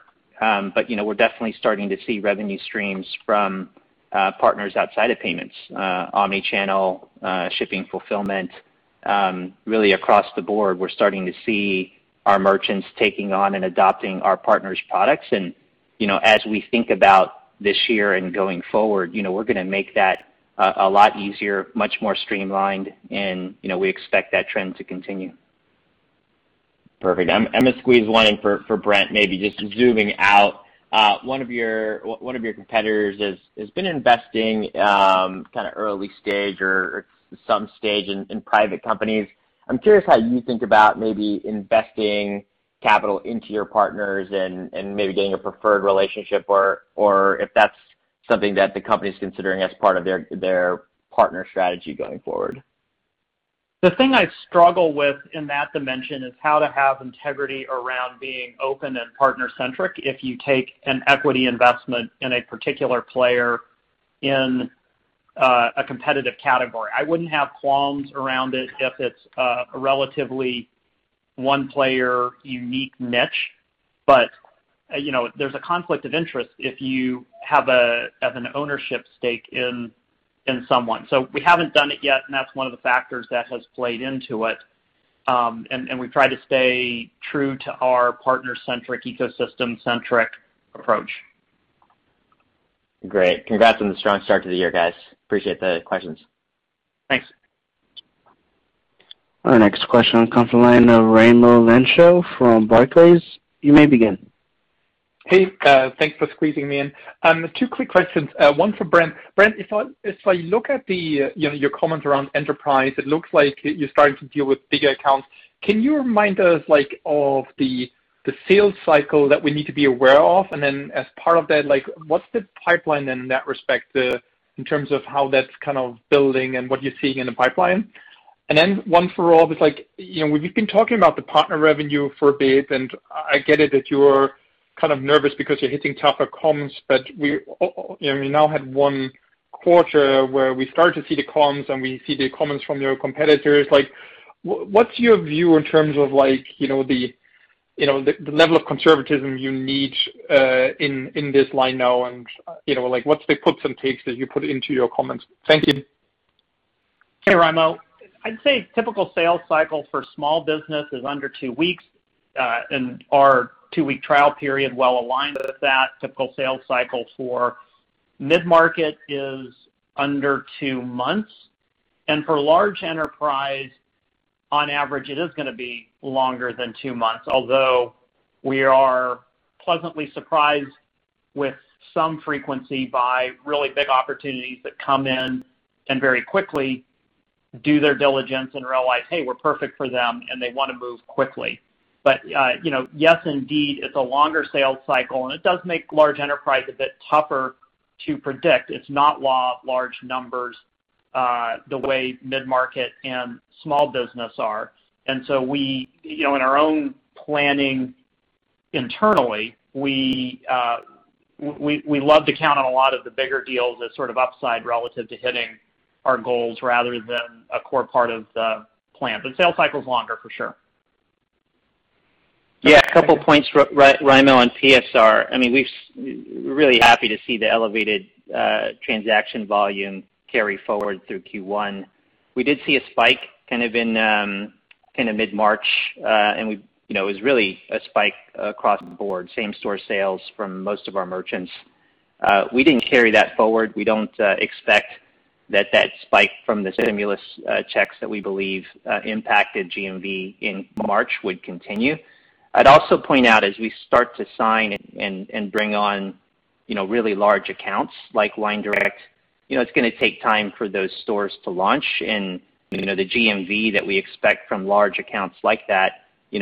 We're definitely starting to see revenue streams from partners outside of payments, omni-channel, shipping fulfillment, really across the board, we're starting to see our merchants taking on and adopting our partners' products. As we think about this year and going forward, we're going to make that a lot easier, much more streamlined, and we expect that trend to continue. Perfect. I'm going to squeeze one in for Brent, maybe just zooming out. One of your competitors has been investing early stage or some stage in private companies. I'm curious how you think about maybe investing capital into your partners and maybe getting a preferred relationship, or if that's something that the company's considering as part of their partner strategy going forward. The thing I struggle with in that dimension is how to have integrity around being open and partner-centric if you take an equity investment in a particular player in a competitive category. I wouldn't have qualms around it if it's a relatively one-player, unique niche. There's a conflict of interest if you have an ownership stake in someone. We haven't done it yet, and that's one of the factors that has played into it. We try to stay true to our partner-centric, ecosystem-centric approach. Great. Congrats on the strong start to the year, guys. Appreciate the questions. Thanks. Our next question comes the line of Raimo Lenschow from Barclays. You may begin. Hey, thanks for squeezing me in. Two quick questions, one for Brent. Brent, if I look at your comment around enterprise, it looks like you're starting to deal with bigger accounts. Can you remind us of the sales cycle that we need to be aware of? As part of that, what's the pipeline in that respect, in terms of how that's building and what you're seeing in the pipeline? One for Rob, we've been talking about the partner revenue for a bit, and I get it that you're nervous because you're hitting tougher comms, but we now had one quarter where we start to see the comms, and we see the comments from your competitors. What's your view in terms of the level of conservatism you need in this line now, and what's the puts and takes that you put into your comments? Thank you. Hey, Raimo. I'd say typical sales cycle for small business is under two weeks, and our two-week trial period well aligned with that. Typical sales cycle for mid-market is under two months. For large enterprise, on average, it is going to be longer than two months, although we are pleasantly surprised with some frequency by really big opportunities that come in and very quickly do their diligence and realize, hey, we're perfect for them, and they want to move quickly. Yes, indeed, it's a longer sales cycle, and it does make large enterprise a bit tougher to predict. It's not law of large numbers the way mid-market and small business are. So in our own planning internally, we love to count on a lot of the bigger deals as sort of upside relative to hitting our goals rather than a core part of the plan. The sales cycle's longer for sure. Yeah, a couple points, Raimo, on PSR. We're really happy to see the elevated transaction volume carry forward through Q1. We did see a spike in mid-March, and it was really a spike across the board, same store sales from most of our merchants. We didn't carry that forward. We don't expect that spike from the stimulus checks that we believe impacted GMV in March would continue. I'd also point out as we start to sign and bring on really large accounts like WineDirect, it's going to take time for those stores to launch, and the GMV that we expect from large accounts like that is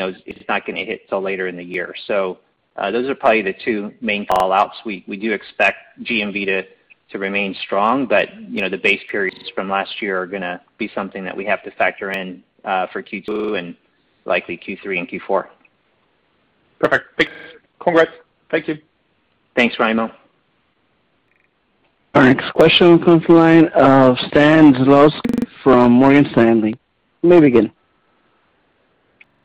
not going to hit till later in the year. Those are probably the two main call-outs. We do expect GMV to remain strong. The base periods from last year are going to be something that we have to factor in for Q2 and likely Q3 and Q4. Perfect. Thanks. Congrats. Thank you. Thanks, Raimo. Our next question comes from the line of Stan Zlotsky from Morgan Stanley. You may begin.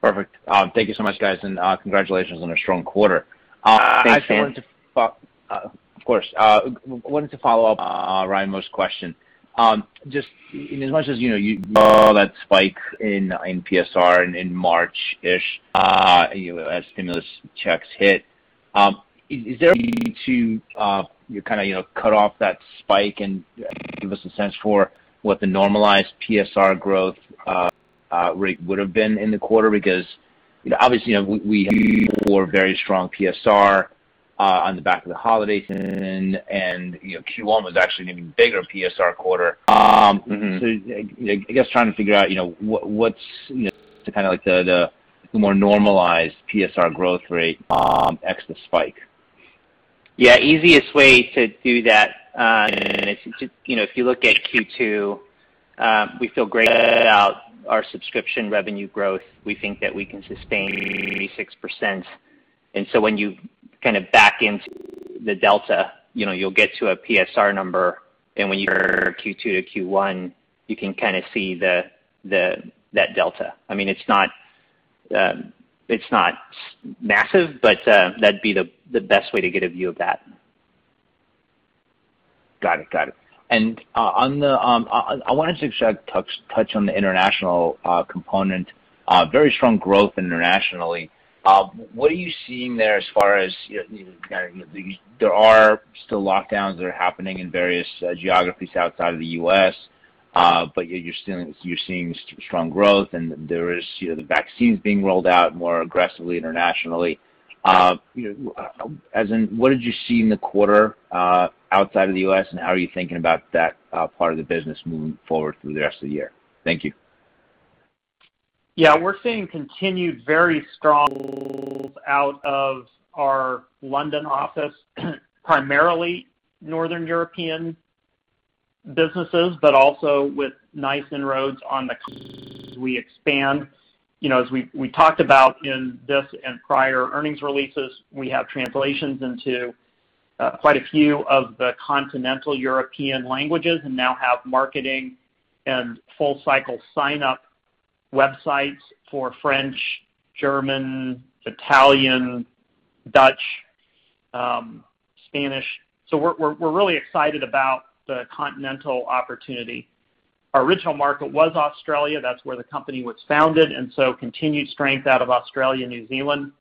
Perfect. Thank you so much, guys, and congratulations on a strong quarter. Thanks, Stan. Of course. Wanted to follow up on Raimo's question. Just in as much as you saw that spike in PSR in March-ish as stimulus checks hit, is there a way to cut off that spike and give us a sense for what the normalized PSR growth rate would have been in the quarter? Obviously, we had Q4 very strong PSR on the back of the holiday season, and Q1 was actually an even bigger PSR quarter. I guess trying to figure out what's the more normalized PSR growth rate ex the spike? Easiest way to do that, if you look at Q2, we feel great about our subscription revenue growth. We think that we can sustain 36%. When you back into the delta, you'll get to a PSR number, and when you Q2 to Q1, you can see that delta. It's not massive, but that'd be the best way to get a view of that. Got it. I wanted to touch on the international component. Very strong growth internationally. What are you seeing there as far as, there are still lockdowns that are happening in various geographies outside of the U.S., but you're seeing strong growth, and there is the vaccines being rolled out more aggressively internationally. As in, what did you see in the quarter outside of the U.S., and how are you thinking about that part of the business moving forward through the rest of the year? Thank you. We're seeing continued very strong out of our London office, primarily Northern European businesses, but also with nice inroads as we expand. As we talked about in this and prior earnings releases, we have translations into quite a few of the continental European languages. Now have marketing and full-cycle sign-up websites for French, German, Italian, Dutch, Spanish. We're really excited about the continental opportunity. Our original market was Australia. That's where the company was founded. Continued strength out of Australia and New Zealand.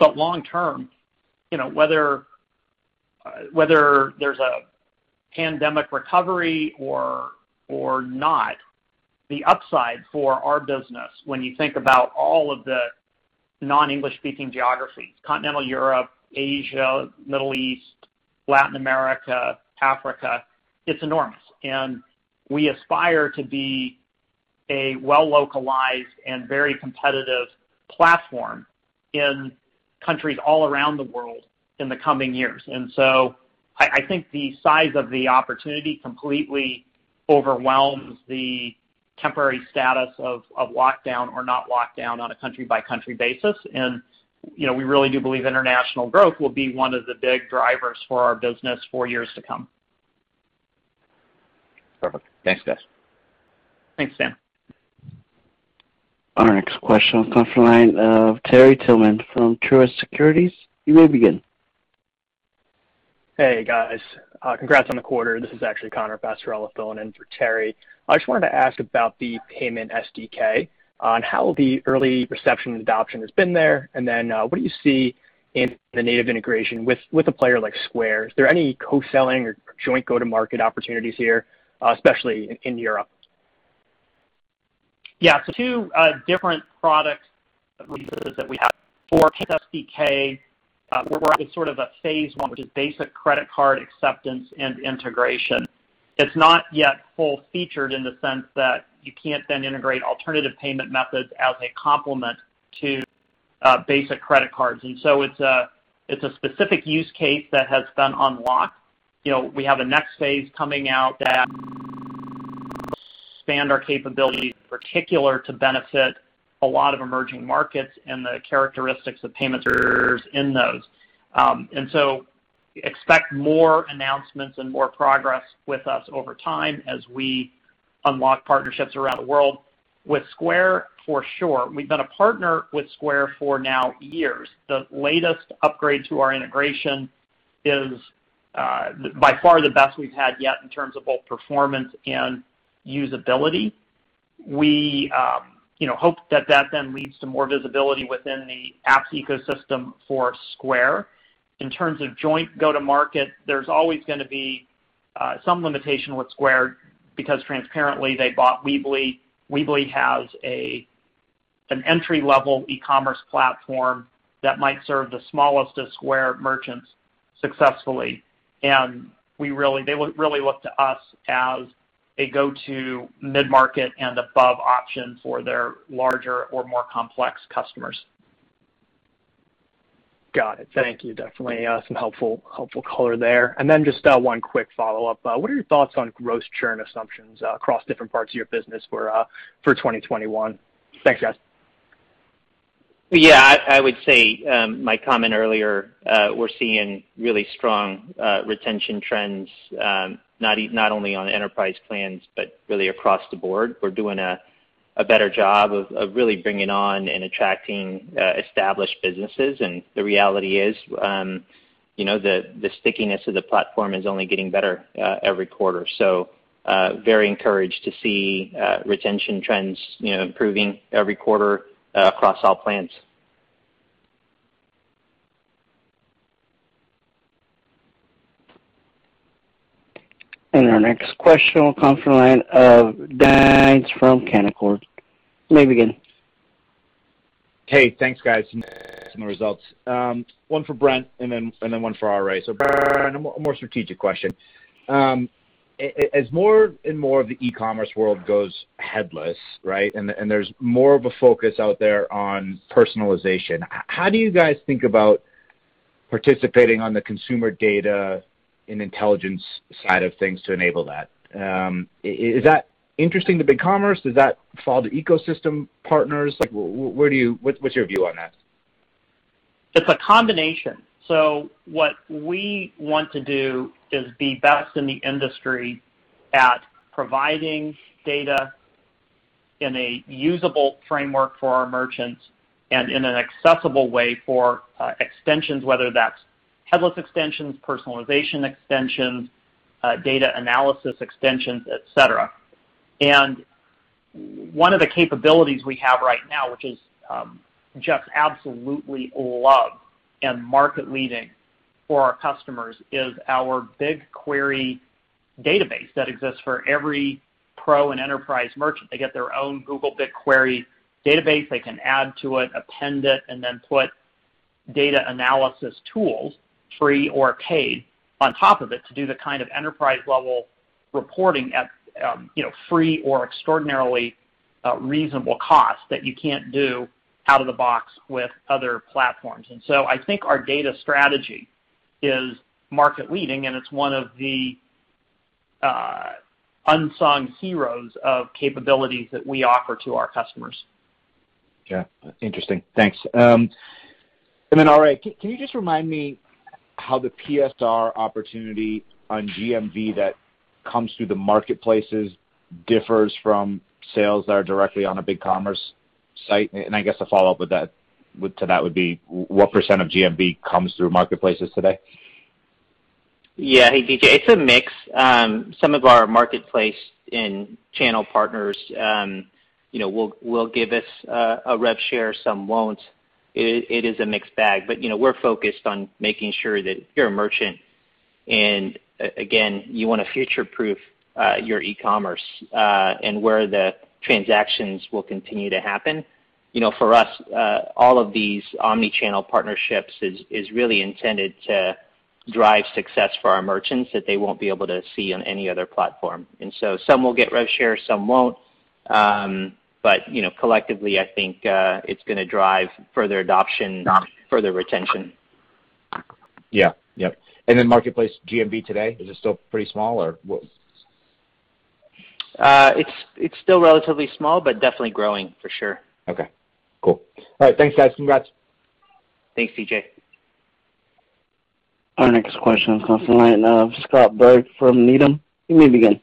Long term, whether there's a pandemic recovery or not, the upside for our business when you think about all of the non-English-speaking geographies, continental Europe, Asia, Middle East, Latin America, Africa, it's enormous. We aspire to be a well-localized and very competitive platform in countries all around the world in the coming years. I think the size of the opportunity completely overwhelms the temporary status of lockdown or not lockdown on a country-by-country basis. We really do believe international growth will be one of the big drivers for our business for years to come. Perfect. Thanks, guys. Thanks, Stan. Our next question comes from the line of Terry Tillman from Truist Securities. You may begin. Hey, guys. Congrats on the quarter. This is actually Connor Passarella filling in for Terry. I just wanted to ask about the payment SDK on how the early reception and adoption has been there, and then what do you see in the native integration with a player like Square? Is there any co-selling or joint go-to-market opportunities here, especially in Europe? Yeah. Two different product releases that we have. For payment SDK, we're in sort of a phase 1, which is basic credit card acceptance and integration. It's not yet full-featured in the sense that you can't then integrate alternative payment methods as a complement to basic credit cards. It's a specific use case that has been unlocked. We have a next phase coming out that expand our capabilities in particular to benefit a lot of emerging markets and the characteristics of payment in those. Expect more announcements and more progress with us over time as we unlock partnerships around the world. With Square, for sure. We've been a partner with Square for now years. The latest upgrade to our integration is by far the best we've had yet in terms of both performance and usability. We hope that that leads to more visibility within the apps ecosystem for Square. In terms of joint go-to-market, there's always going to be some limitation with Square because transparently, they bought Weebly. Weebly has an entry-level e-commerce platform that might serve the smallest of Square merchants successfully. They really look to us as a go-to mid-market and above option for their larger or more complex customers. Got it. Thank you. Definitely some helpful color there. Just one quick follow-up. What are your thoughts on gross churn assumptions across different parts of your business for 2021? Thanks, guys. Yeah, I would say my comment earlier, we're seeing really strong retention trends, not only on enterprise plans, but really across the board. We're doing a better job of really bringing on and attracting established businesses, and the reality is the stickiness of the platform is only getting better every quarter. Very encouraged to see retention trends improving every quarter across all plans. Our next question will come from the line of David Hynes from Canaccord Genuity. You may begin. Hey, thanks, guys. results. One for Brent and then one for RA. Brent, a more strategic question. As more and more of the e-commerce world goes headless, right, and there's more of a focus out there on personalization, how do you guys think about participating on the consumer data and intelligence side of things to enable that? Is that interesting to BigCommerce? Does that fall to ecosystem partners? What's your view on that? It's a combination. What we want to do is be best in the industry at providing data in a usable framework for our merchants and in an accessible way for extensions, whether that's headless extensions, personalization extensions, data analysis extensions, et cetera. One of the capabilities we have right now, which is just absolutely loved and market-leading for our customers, is our BigQuery database that exists for every pro and enterprise merchant. They get their own Google BigQuery database. They can add to it, append it, and then put data analysis tools, free or paid, on top of it to do the kind of enterprise-level reporting at free or extraordinarily reasonable cost that you can't do out of the box with other platforms. I think our data strategy is market-leading, and it's one of the unsung heroes of capabilities that we offer to our customers. Yeah. Interesting. Thanks. Then, RA, can you just remind me how the PSR opportunity on GMV that comes through the marketplaces differs from sales that are directly on a BigCommerce site? I guess a follow-up to that would be, what % of GMV comes through marketplaces today? Yeah. Hey, DJ. It's a mix. Some of our marketplace and channel partners will give us a rev share, some won't. It is a mixed bag. We're focused on making sure that if you're a merchant, and again, you want to future-proof your e-commerce, and where the transactions will continue to happen. For us, all of these omni-channel partnerships is really intended to drive success for our merchants that they won't be able to see on any other platform. Some will get rev share, some won't. Collectively, I think it's going to drive further adoption, further retention. Yeah. Yep. Marketplace GMV today, is it still pretty small? It's still relatively small, but definitely growing, for sure. Okay, cool. All right. Thanks, guys. Congrats. Thanks, DJ. Our next question is coming from the line of Scott Berg from Needham. You may begin.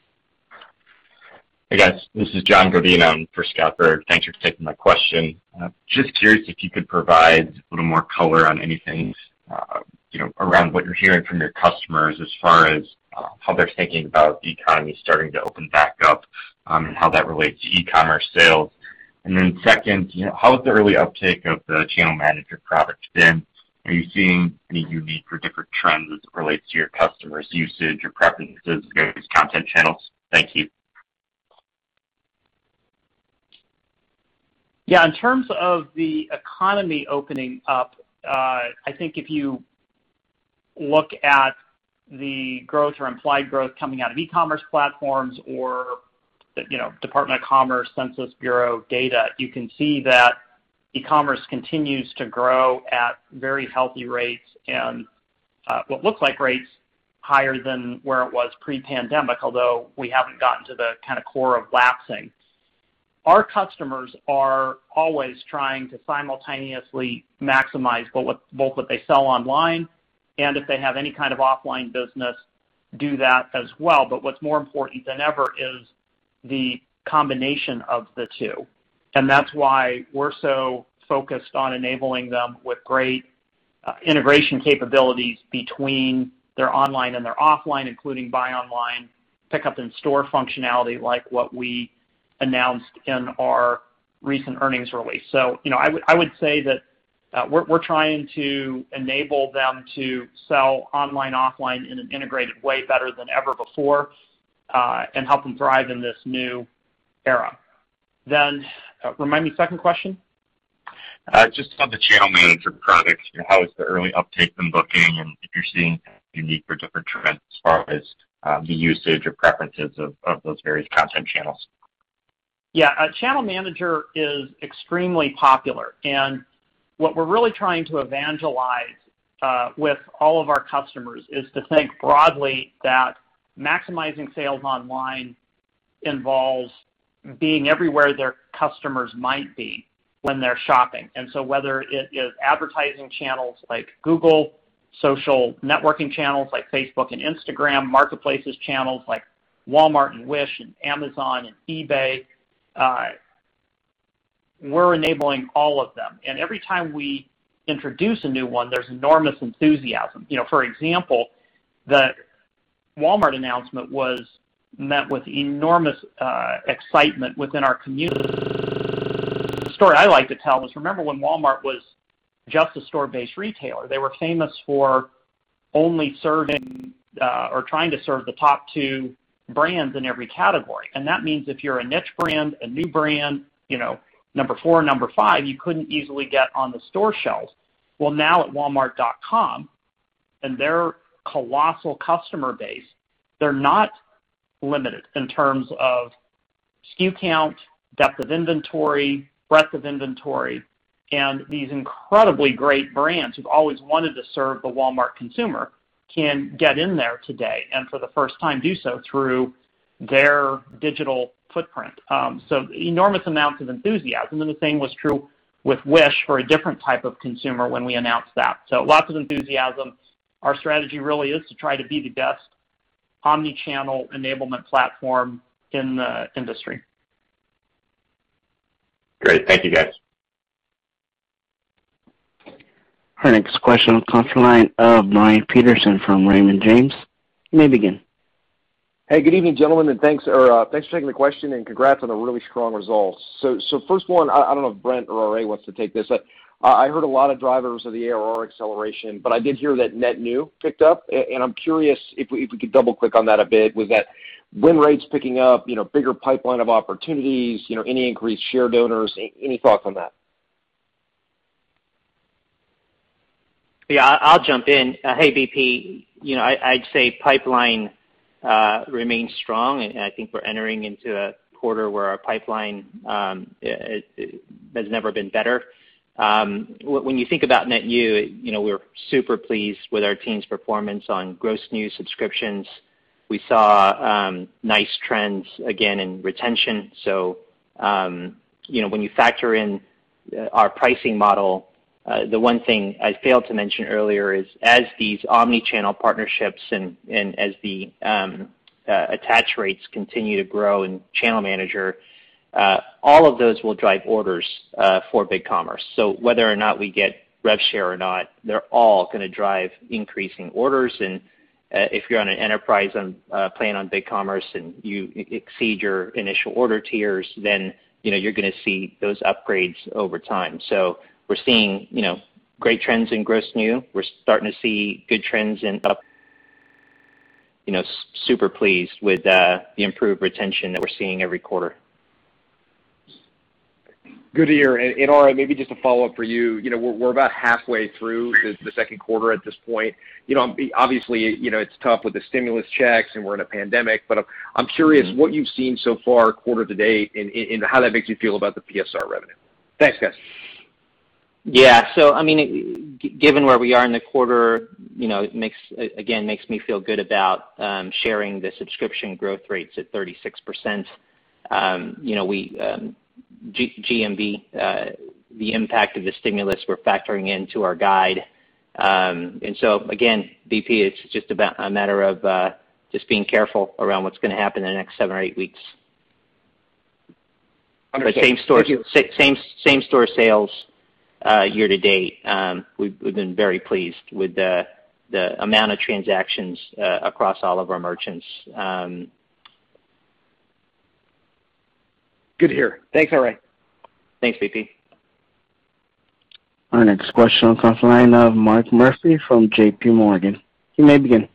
Hey, guys. This is John Gordina in for Scott Berg. Thanks for taking my question. Just curious if you could provide a little more color on anything around what you're hearing from your customers as far as how they're thinking about the economy starting to open back up and how that relates to e-commerce sales. And second, how has the early uptake of the Channel Manager product been? Are you seeing any unique or different trends as it relates to your customers' usage or preferences of various content channels? Thank you. Yeah. In terms of the economy opening up, I think if you look at the growth or implied growth coming out of e-commerce platforms or Department of Commerce, Census Bureau data, you can see that e-commerce continues to grow at very healthy rates and what looks like rates higher than where it was pre-pandemic, although we haven't gotten to the kind of core of lapsing. Our customers are always trying to simultaneously maximize both what they sell online, and if they have any kind of offline business, do that as well. What's more important than ever is the combination of the two, and that's why we're so focused on enabling them with great integration capabilities between their online and their offline, including buy online, pickup in store functionality like what we announced in our recent earnings release. I would say that we're trying to enable them to sell online, offline in an integrated way better than ever before, and help them thrive in this new era. Remind me, second question? Just on the Channel Manager product, how is the early uptake in booking, and if you're seeing any unique or different trends as far as the usage or preferences of those various content channels? Yeah. Channel Manager is extremely popular. What we're really trying to evangelize with all of our customers is to think broadly that maximizing sales online involves being everywhere their customers might be when they're shopping. Whether it is advertising channels like Google, social networking channels like Facebook and Instagram, marketplaces channels like Walmart and Wish and Amazon and eBay, we're enabling all of them. Every time we introduce a new one, there's enormous enthusiasm. For example, the Walmart announcement was met with enormous excitement within our community. The story I like to tell is, remember when Walmart was just a store-based retailer, they were famous for only serving, or trying to serve the top two brands in every category. That means if you're a niche brand, a new brand, number four, number five, you couldn't easily get on the store shelves. Well, now at walmart.com and their colossal customer base, they're not limited in terms of SKU count, depth of inventory, breadth of inventory. These incredibly great brands who've always wanted to serve the Walmart consumer can get in there today, and for the 1st time, do so through their digital footprint. Enormous amounts of enthusiasm. The same was true with Wish for a different type of consumer when we announced that. Lots of enthusiasm. Our strategy really is to try to be the best omni-channel enablement platform in the industry. Great. Thank you, guys. Our next question comes from the line of Brian Peterson from Raymond James. You may begin. Hey, good evening, gentlemen, and thanks for taking the question, and congrats on the really strong results. First one, I don't know if Brent or RA wants to take this. I heard a lot of drivers of the ARR acceleration, but I did hear that net new picked up, and I'm curious if we could double-click on that a bit. Was that win rates picking up, bigger pipeline of opportunities, any increased shared owners, any thoughts on that? Yeah, I'll jump in. Hey, BP. I'd say pipeline remains strong. I think we're entering into a quarter where our pipeline has never been better. When you think about net new, we're super pleased with our team's performance on gross new subscriptions. We saw nice trends again in retention. When you factor in our pricing model, the one thing I failed to mention earlier is as these omni-channel partnerships and as the attach rates continue to grow in Channel Manager, all of those will drive orders for BigCommerce. Whether or not we get rev share or not, they're all going to drive increasing orders. If you're on an enterprise plan on BigCommerce and you exceed your initial order tiers, then you're going to see those upgrades over time. We're seeing great trends in gross new. We're starting to see good trends in up, super pleased with the improved retention that we're seeing every quarter. Good to hear. RA, maybe just a follow-up for you. We're about halfway through the 2nd quarter at this point. Obviously, it's tough with the stimulus checks, and we're in a pandemic, but I'm curious what you've seen so far quarter-to-date and how that makes you feel about the PSR revenue. Thanks, guys. Yeah. Given where we are in the quarter, it again makes me feel good about sharing the subscription growth rates at 36%. GMV, the impact of the stimulus we're factoring into our guide. Again, BP, it's just a matter of just being careful around what's going to happen in the next seven or eight weeks. Understood. Thank you. Same store sales year-to-date, we've been very pleased with the amount of transactions across all of our merchants. Good to hear. Thanks, RA. Thanks, BP. Our next question comes from the line of Mark Murphy from JPMorgan. You may begin.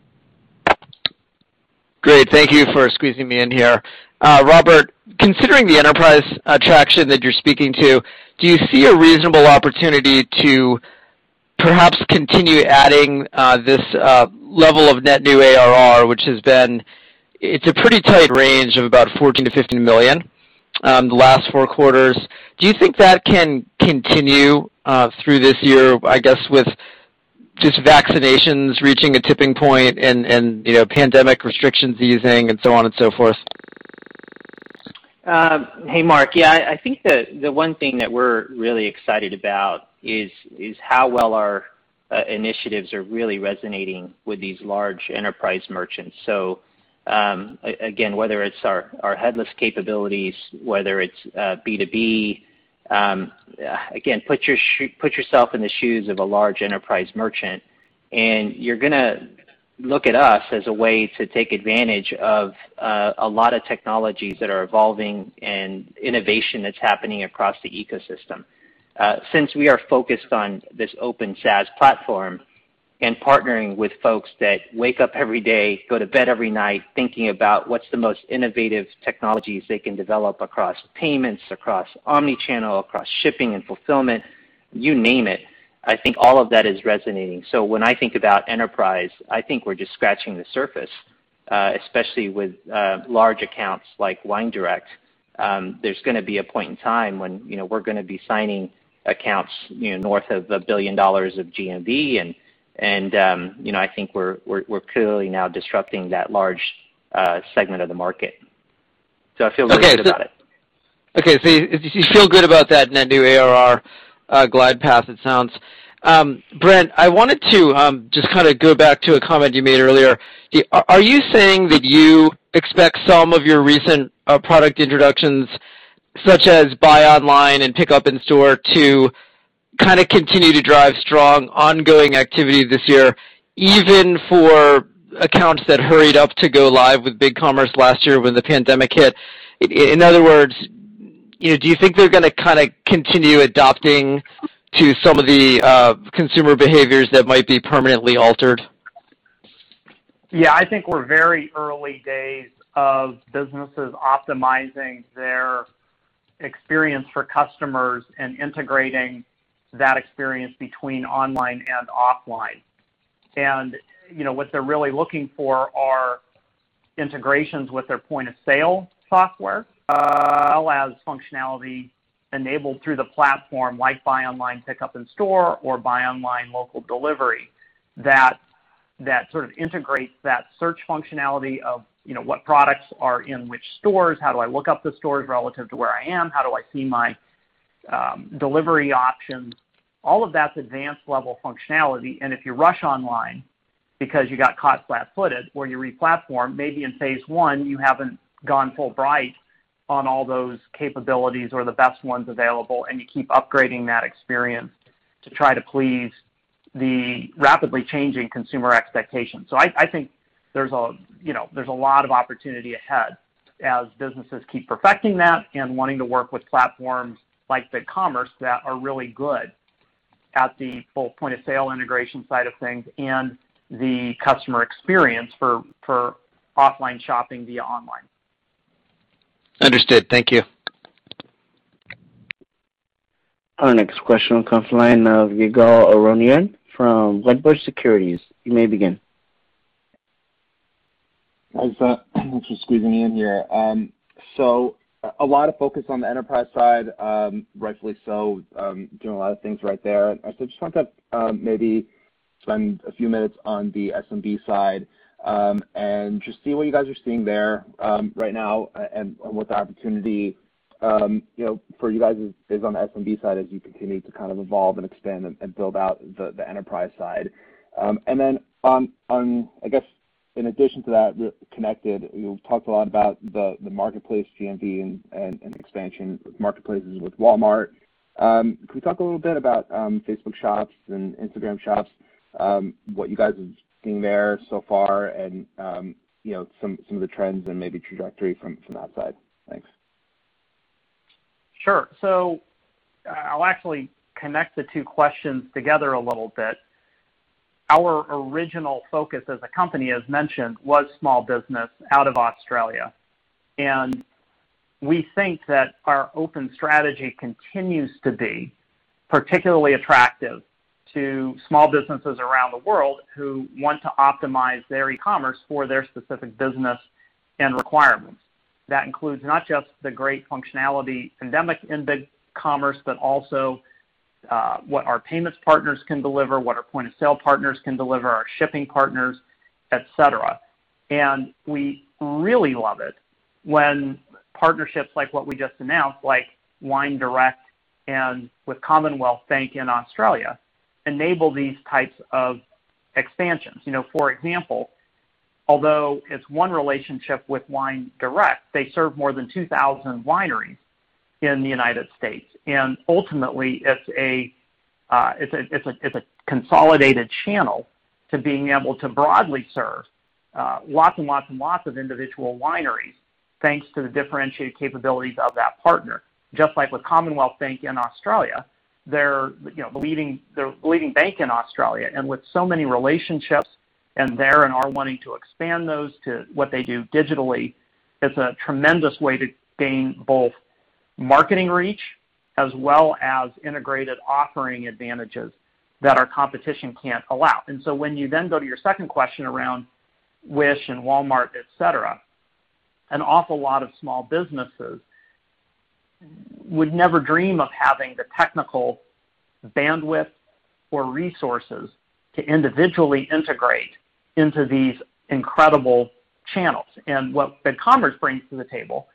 Great. Thank you for squeezing me in here. Robert, considering the enterprise traction that you're speaking to, do you see a reasonable opportunity to perhaps continue adding this level of net new ARR, which has been, it's a pretty tight range of about $14 million-$15 million the last four quarters. Do you think that can continue through this year, I guess, with just vaccinations reaching a tipping point and pandemic restrictions easing and so on and so forth? Hey, Mark. Yeah, I think the one thing that we're really excited about is how well our initiatives are really resonating with these large enterprise merchants. Again, whether it's our headless capabilities, whether it's B2B, again, put yourself in the shoes of a large enterprise merchant, and you're going to look at us as a way to take advantage of a lot of technologies that are evolving and innovation that's happening across the ecosystem. Since we are focused on this open SaaS platform and partnering with folks that wake up every day, go to bed every night, thinking about what's the most innovative technologies they can develop across payments, across omni-channel, across shipping and fulfillment, you name it, I think all of that is resonating. When I think about enterprise, I think we're just scratching the surface, especially with large accounts like WineDirect. There's going to be a point in time when we're going to be signing accounts north of $1 billion of GMV, and I think we're clearly now disrupting that large segment of the market, so I feel great about it. Okay, you feel good about that net new ARR glide path, it sounds. Brent, I wanted to just kind of go back to a comment you made earlier. Are you saying that you expect some of your recent product introductions, such as buy online and pick up in store, to kind of continue to drive strong ongoing activity this year, even for accounts that hurried up to go live with BigCommerce last year when the pandemic hit? In other words, do you think they're going to continue adopting to some of the consumer behaviors that might be permanently altered? Yeah, I think we're very early days of businesses optimizing their experience for customers and integrating that experience between online and offline. What they're really looking for are integrations with their point-of-sale software, allows functionality enabled through the platform, like buy online, pick up in store, or buy online, local delivery, that sort of integrates that search functionality of what products are in which stores, how do I look up the stores relative to where I am, how do I see my delivery options. All of that's advanced level functionality, and if you rush online because you got caught flat-footed or you re-platformed, maybe in phase 1, you haven't gone full-bore on all those capabilities or the best ones available, and you keep upgrading that experience to try to please the rapidly changing consumer expectations. I think there's a lot of opportunity ahead as businesses keep perfecting that and wanting to work with platforms like BigCommerce that are really good at the full point-of-sale integration side of things and the customer experience for offline shopping via online. Understood. Thank you. Our next question comes from the line of Ygal Arounian from Wedbush Securities. You may begin. Thanks for squeezing me in here. A lot of focus on the enterprise side, rightfully so, doing a lot of things right there. I just want to maybe spend a few minutes on the SMB side, and just see what you guys are seeing there right now, and what the opportunity for you guys is on the SMB side as you continue to kind of evolve and expand and build out the enterprise side. I guess, in addition to that connected, you talked a lot about the marketplace GMV and expansion with marketplaces with Walmart. Can we talk a little bit about Facebook Shops and Instagram Shops, what you guys are seeing there so far and some of the trends and maybe trajectory from that side? Thanks. Sure. I'll actually connect the two questions together a little bit. Our original focus as a company, as mentioned, was small business out of Australia. We think that our open strategy continues to be particularly attractive to small businesses around the world who want to optimize their e-commerce for their specific business and requirements. That includes not just the great functionality endemic in BigCommerce, but also what our payments partners can deliver, what our point-of-sale partners can deliver, our shipping partners, et cetera. We really love it when partnerships like what we just announced, like WineDirect and with Commonwealth Bank in Australia, enable these types of expansions. For example, although it's one relationship with WineDirect, they serve more than 2,000 wineries in the United States. Ultimately, it's a consolidated channel to being able to broadly serve lots and lots of individual wineries, thanks to the differentiated capabilities of that partner. Just like with Commonwealth Bank in Australia, they're the leading bank in Australia. With so many relationships, and they're wanting to expand those to what they do digitally, it's a tremendous way to gain both marketing reach as well as integrated offering advantages that our competition can't allow. When you then go to your second question around Wish and Walmart, et cetera, an awful lot of small businesses would never dream of having the technical bandwidth or resources to individually integrate into these incredible channels. What BigCommerce brings to the table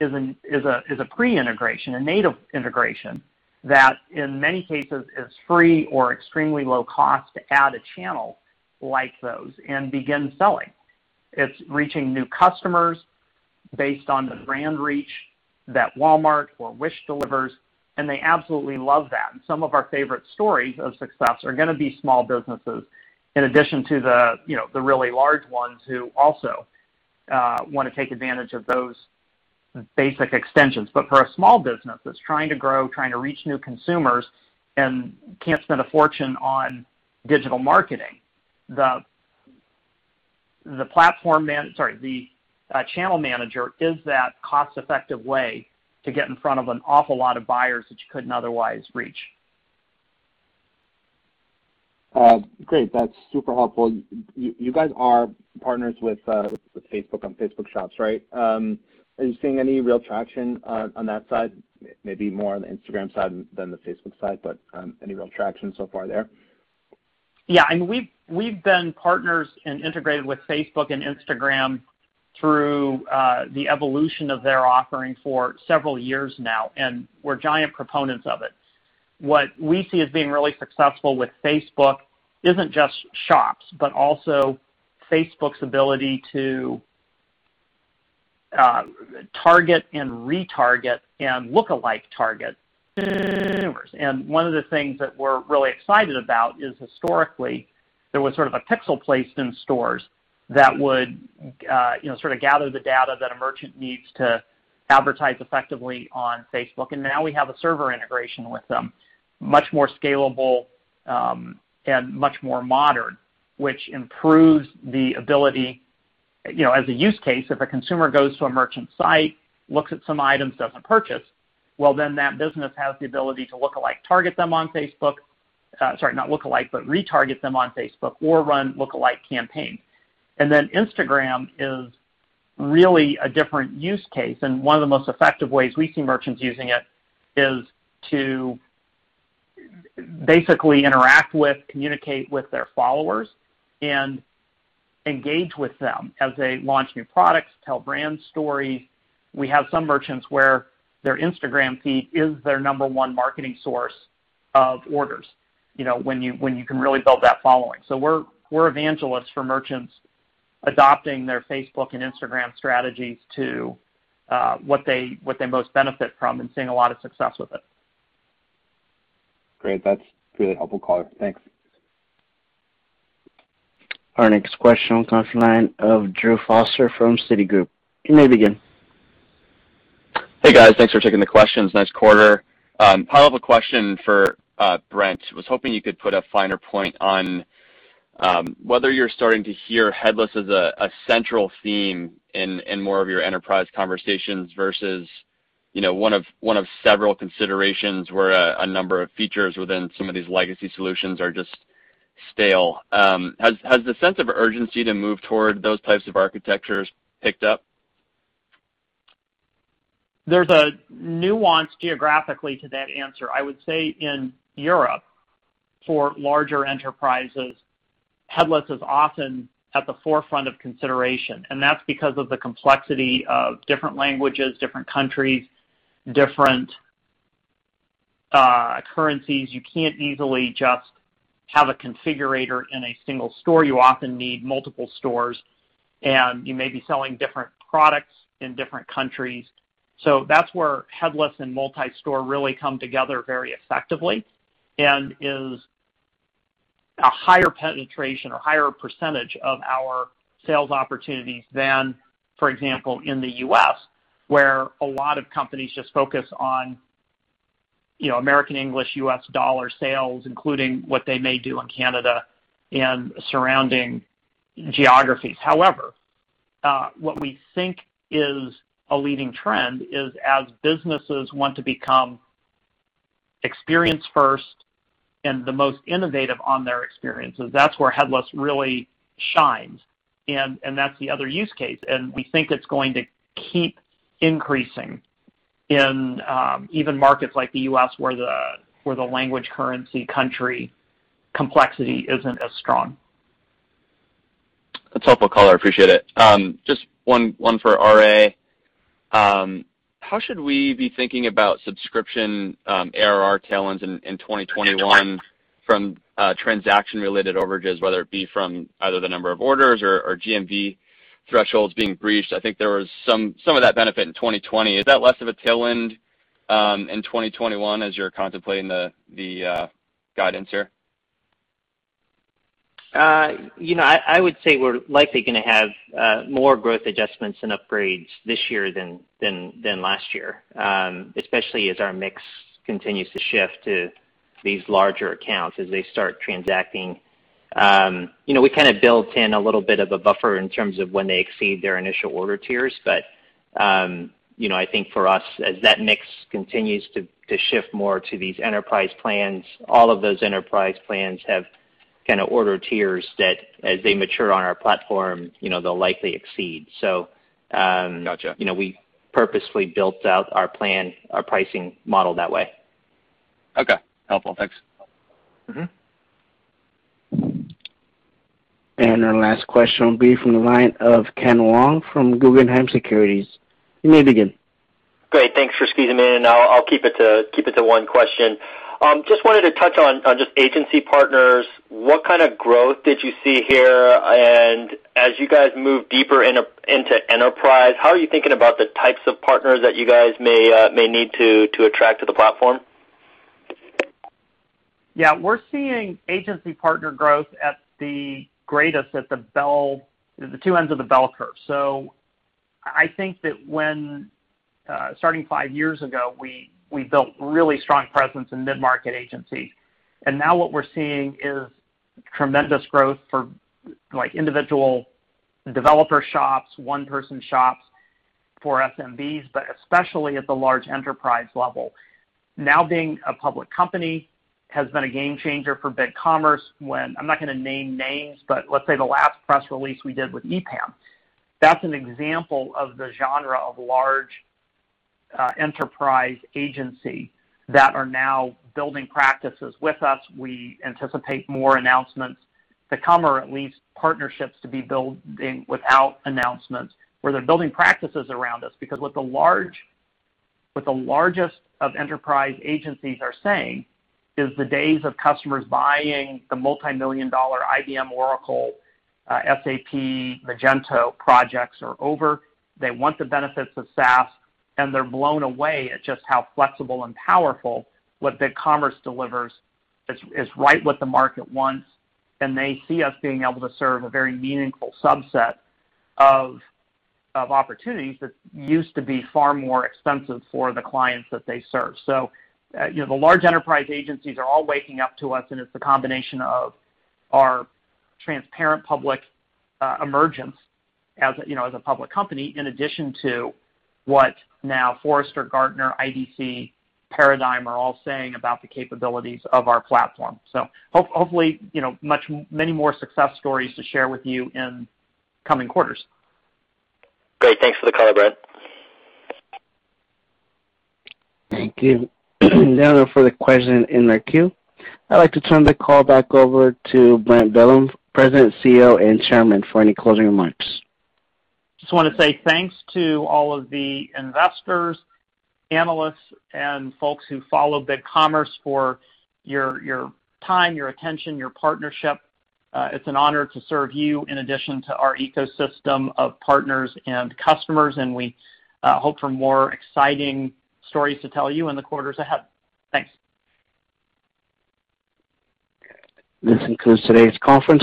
is a pre-integration, a native integration, that in many cases is free or extremely low cost to add a channel like those and begin selling. It's reaching new customers based on the brand reach that Walmart or Wish delivers, and they absolutely love that. Some of our favorite stories of success are going to be small businesses, in addition to the really large ones who also want to take advantage of those basic extensions. For a small business that's trying to grow, trying to reach new consumers, and can't spend a fortune on digital marketing, the Channel Manager is that cost-effective way to get in front of an awful lot of buyers that you couldn't otherwise reach. Great. That's super helpful. You guys are partners with Facebook on Facebook Shops, right? Are you seeing any real traction on that side? Maybe more on the Instagram side than the Facebook side, but any real traction so far there? Yeah, we've been partners and integrated with Facebook and Instagram through the evolution of their offering for several years now, we're giant proponents of it. What we see as being really successful with Facebook isn't just Shops, but also Facebook's ability to target and retarget and lookalike target consumers. One of the things that we're really excited about is historically, there was sort of a pixel placed in stores that would sort of gather the data that a merchant needs to advertise effectively on Facebook. Now we have a server integration with them, much more scalable and much more modern, which improves the ability, as a use case, if a consumer goes to a merchant site, looks at some items, doesn't purchase, well, then that business has the ability to lookalike target them on Facebook. Sorry, not lookalike, retarget them on Facebook or run lookalike campaigns. Instagram is really a different use case, and one of the most effective ways we see merchants using it is to basically interact with, communicate with their followers and engage with them as they launch new products, tell brand stories. We have some merchants where their Instagram feed is their number 1 marketing source of orders, when you can really build that following. We're evangelists for merchants adopting their Facebook and Instagram strategies to what they most benefit from and seeing a lot of success with it. Great. That's really helpful, Color. Thanks. Our next question on the conference line of Drew Foster from Citigroup. You may begin. Hey, guys. Thanks for taking the questions. Nice quarter. I have a question for Brent. Was hoping you could put a finer point on whether you're starting to hear headless as a central theme in more of your enterprise conversations versus one of several considerations where a number of features within some of these legacy solutions are just stale. Has the sense of urgency to move toward those types of architectures picked up? There's a nuance geographically to that answer. I would say in Europe, for larger enterprises, headless is often at the forefront of consideration, and that's because of the complexity of different languages, different countries, different currencies. You can't easily just have a configurator in a single store. You often need multiple stores, and you may be selling different products in different countries. That's where headless and multi-store really come together very effectively and is a higher penetration or higher percentage of our sales opportunities than, for example, in the U.S., where a lot of companies just focus on American English, U.S. dollar sales, including what they may do in Canada and surrounding geographies. What we think is a leading trend is as businesses want to become experience first and the most innovative on their experiences, that's where headless really shines, and that's the other use case, and we think it's going to keep increasing in even markets like the U.S., where the language, currency, country complexity isn't as strong. That's helpful, Color. I appreciate it. Just one for RA. How should we be thinking about subscription ARR tailwinds in 2021 from transaction-related overages, whether it be from either the number of orders or GMV thresholds being breached? I think there was some of that benefit in 2020. Is that less of a tailwind in 2021 as you're contemplating the guidance here? I would say we're likely going to have more growth adjustments and upgrades this year than last year, especially as our mix continues to shift to these larger accounts as they start transacting. We kind of built in a little bit of a buffer in terms of when they exceed their initial order tiers. I think for us, as that mix continues to shift more to these enterprise plans, all of those enterprise plans have kind of order tiers that as they mature on our platform, they'll likely exceed. Got you. We purposefully built out our plan, our pricing model that way. Okay. Helpful. Thanks. Our last question will be from the line of Ken Wong from Guggenheim Securities. You may begin. Great. Thanks for squeezing me in. I'll keep it to one question. Just wanted to touch on just agency partners. What kind of growth did you see here, and as you guys move deeper into enterprise, how are you thinking about the types of partners that you guys may need to attract to the platform? We're seeing agency partner growth at the greatest at the two ends of the bell curve. I think that when, starting five years ago, we built really strong presence in mid-market agencies, and now what we're seeing is tremendous growth for individual developer shops, one-person shops for SMBs. Especially at the large enterprise level, now being a public company has been a game changer for BigCommerce when, I'm not going to name names, but let's say the last press release we did with EPAM, that's an example of the genre of large enterprise agency that are now building practices with us. We anticipate more announcements to come, or at least partnerships to be building without announcements, where they're building practices around us. What the largest of enterprise agencies are saying is the days of customers buying the multimillion-dollar IBM, Oracle, SAP, Magento projects are over. They want the benefits of SaaS, and they're blown away at just how flexible and powerful what BigCommerce delivers is right what the market wants, and they see us being able to serve a very meaningful subset of opportunities that used to be far more expensive for the clients that they serve. The large enterprise agencies are all waking up to us, and it's a combination of our transparent public emergence as a public company, in addition to what now Forrester, Gartner, IDC, Paradigm are all saying about the capabilities of our platform. Hopefully, many more success stories to share with you in coming quarters. Great, thanks for the color, Brent. Thank you. No further question in the queue, I'd like to turn the call back over to Brent Bellm, President, CEO, and Chairman, for any closing remarks. Just want to say thanks to all of the investors, analysts, and folks who follow BigCommerce for your time, your attention, your partnership. It's an honor to serve you in addition to our ecosystem of partners and customers, and we hope for more exciting stories to tell you in the quarters ahead. Thanks. This concludes today's conference call.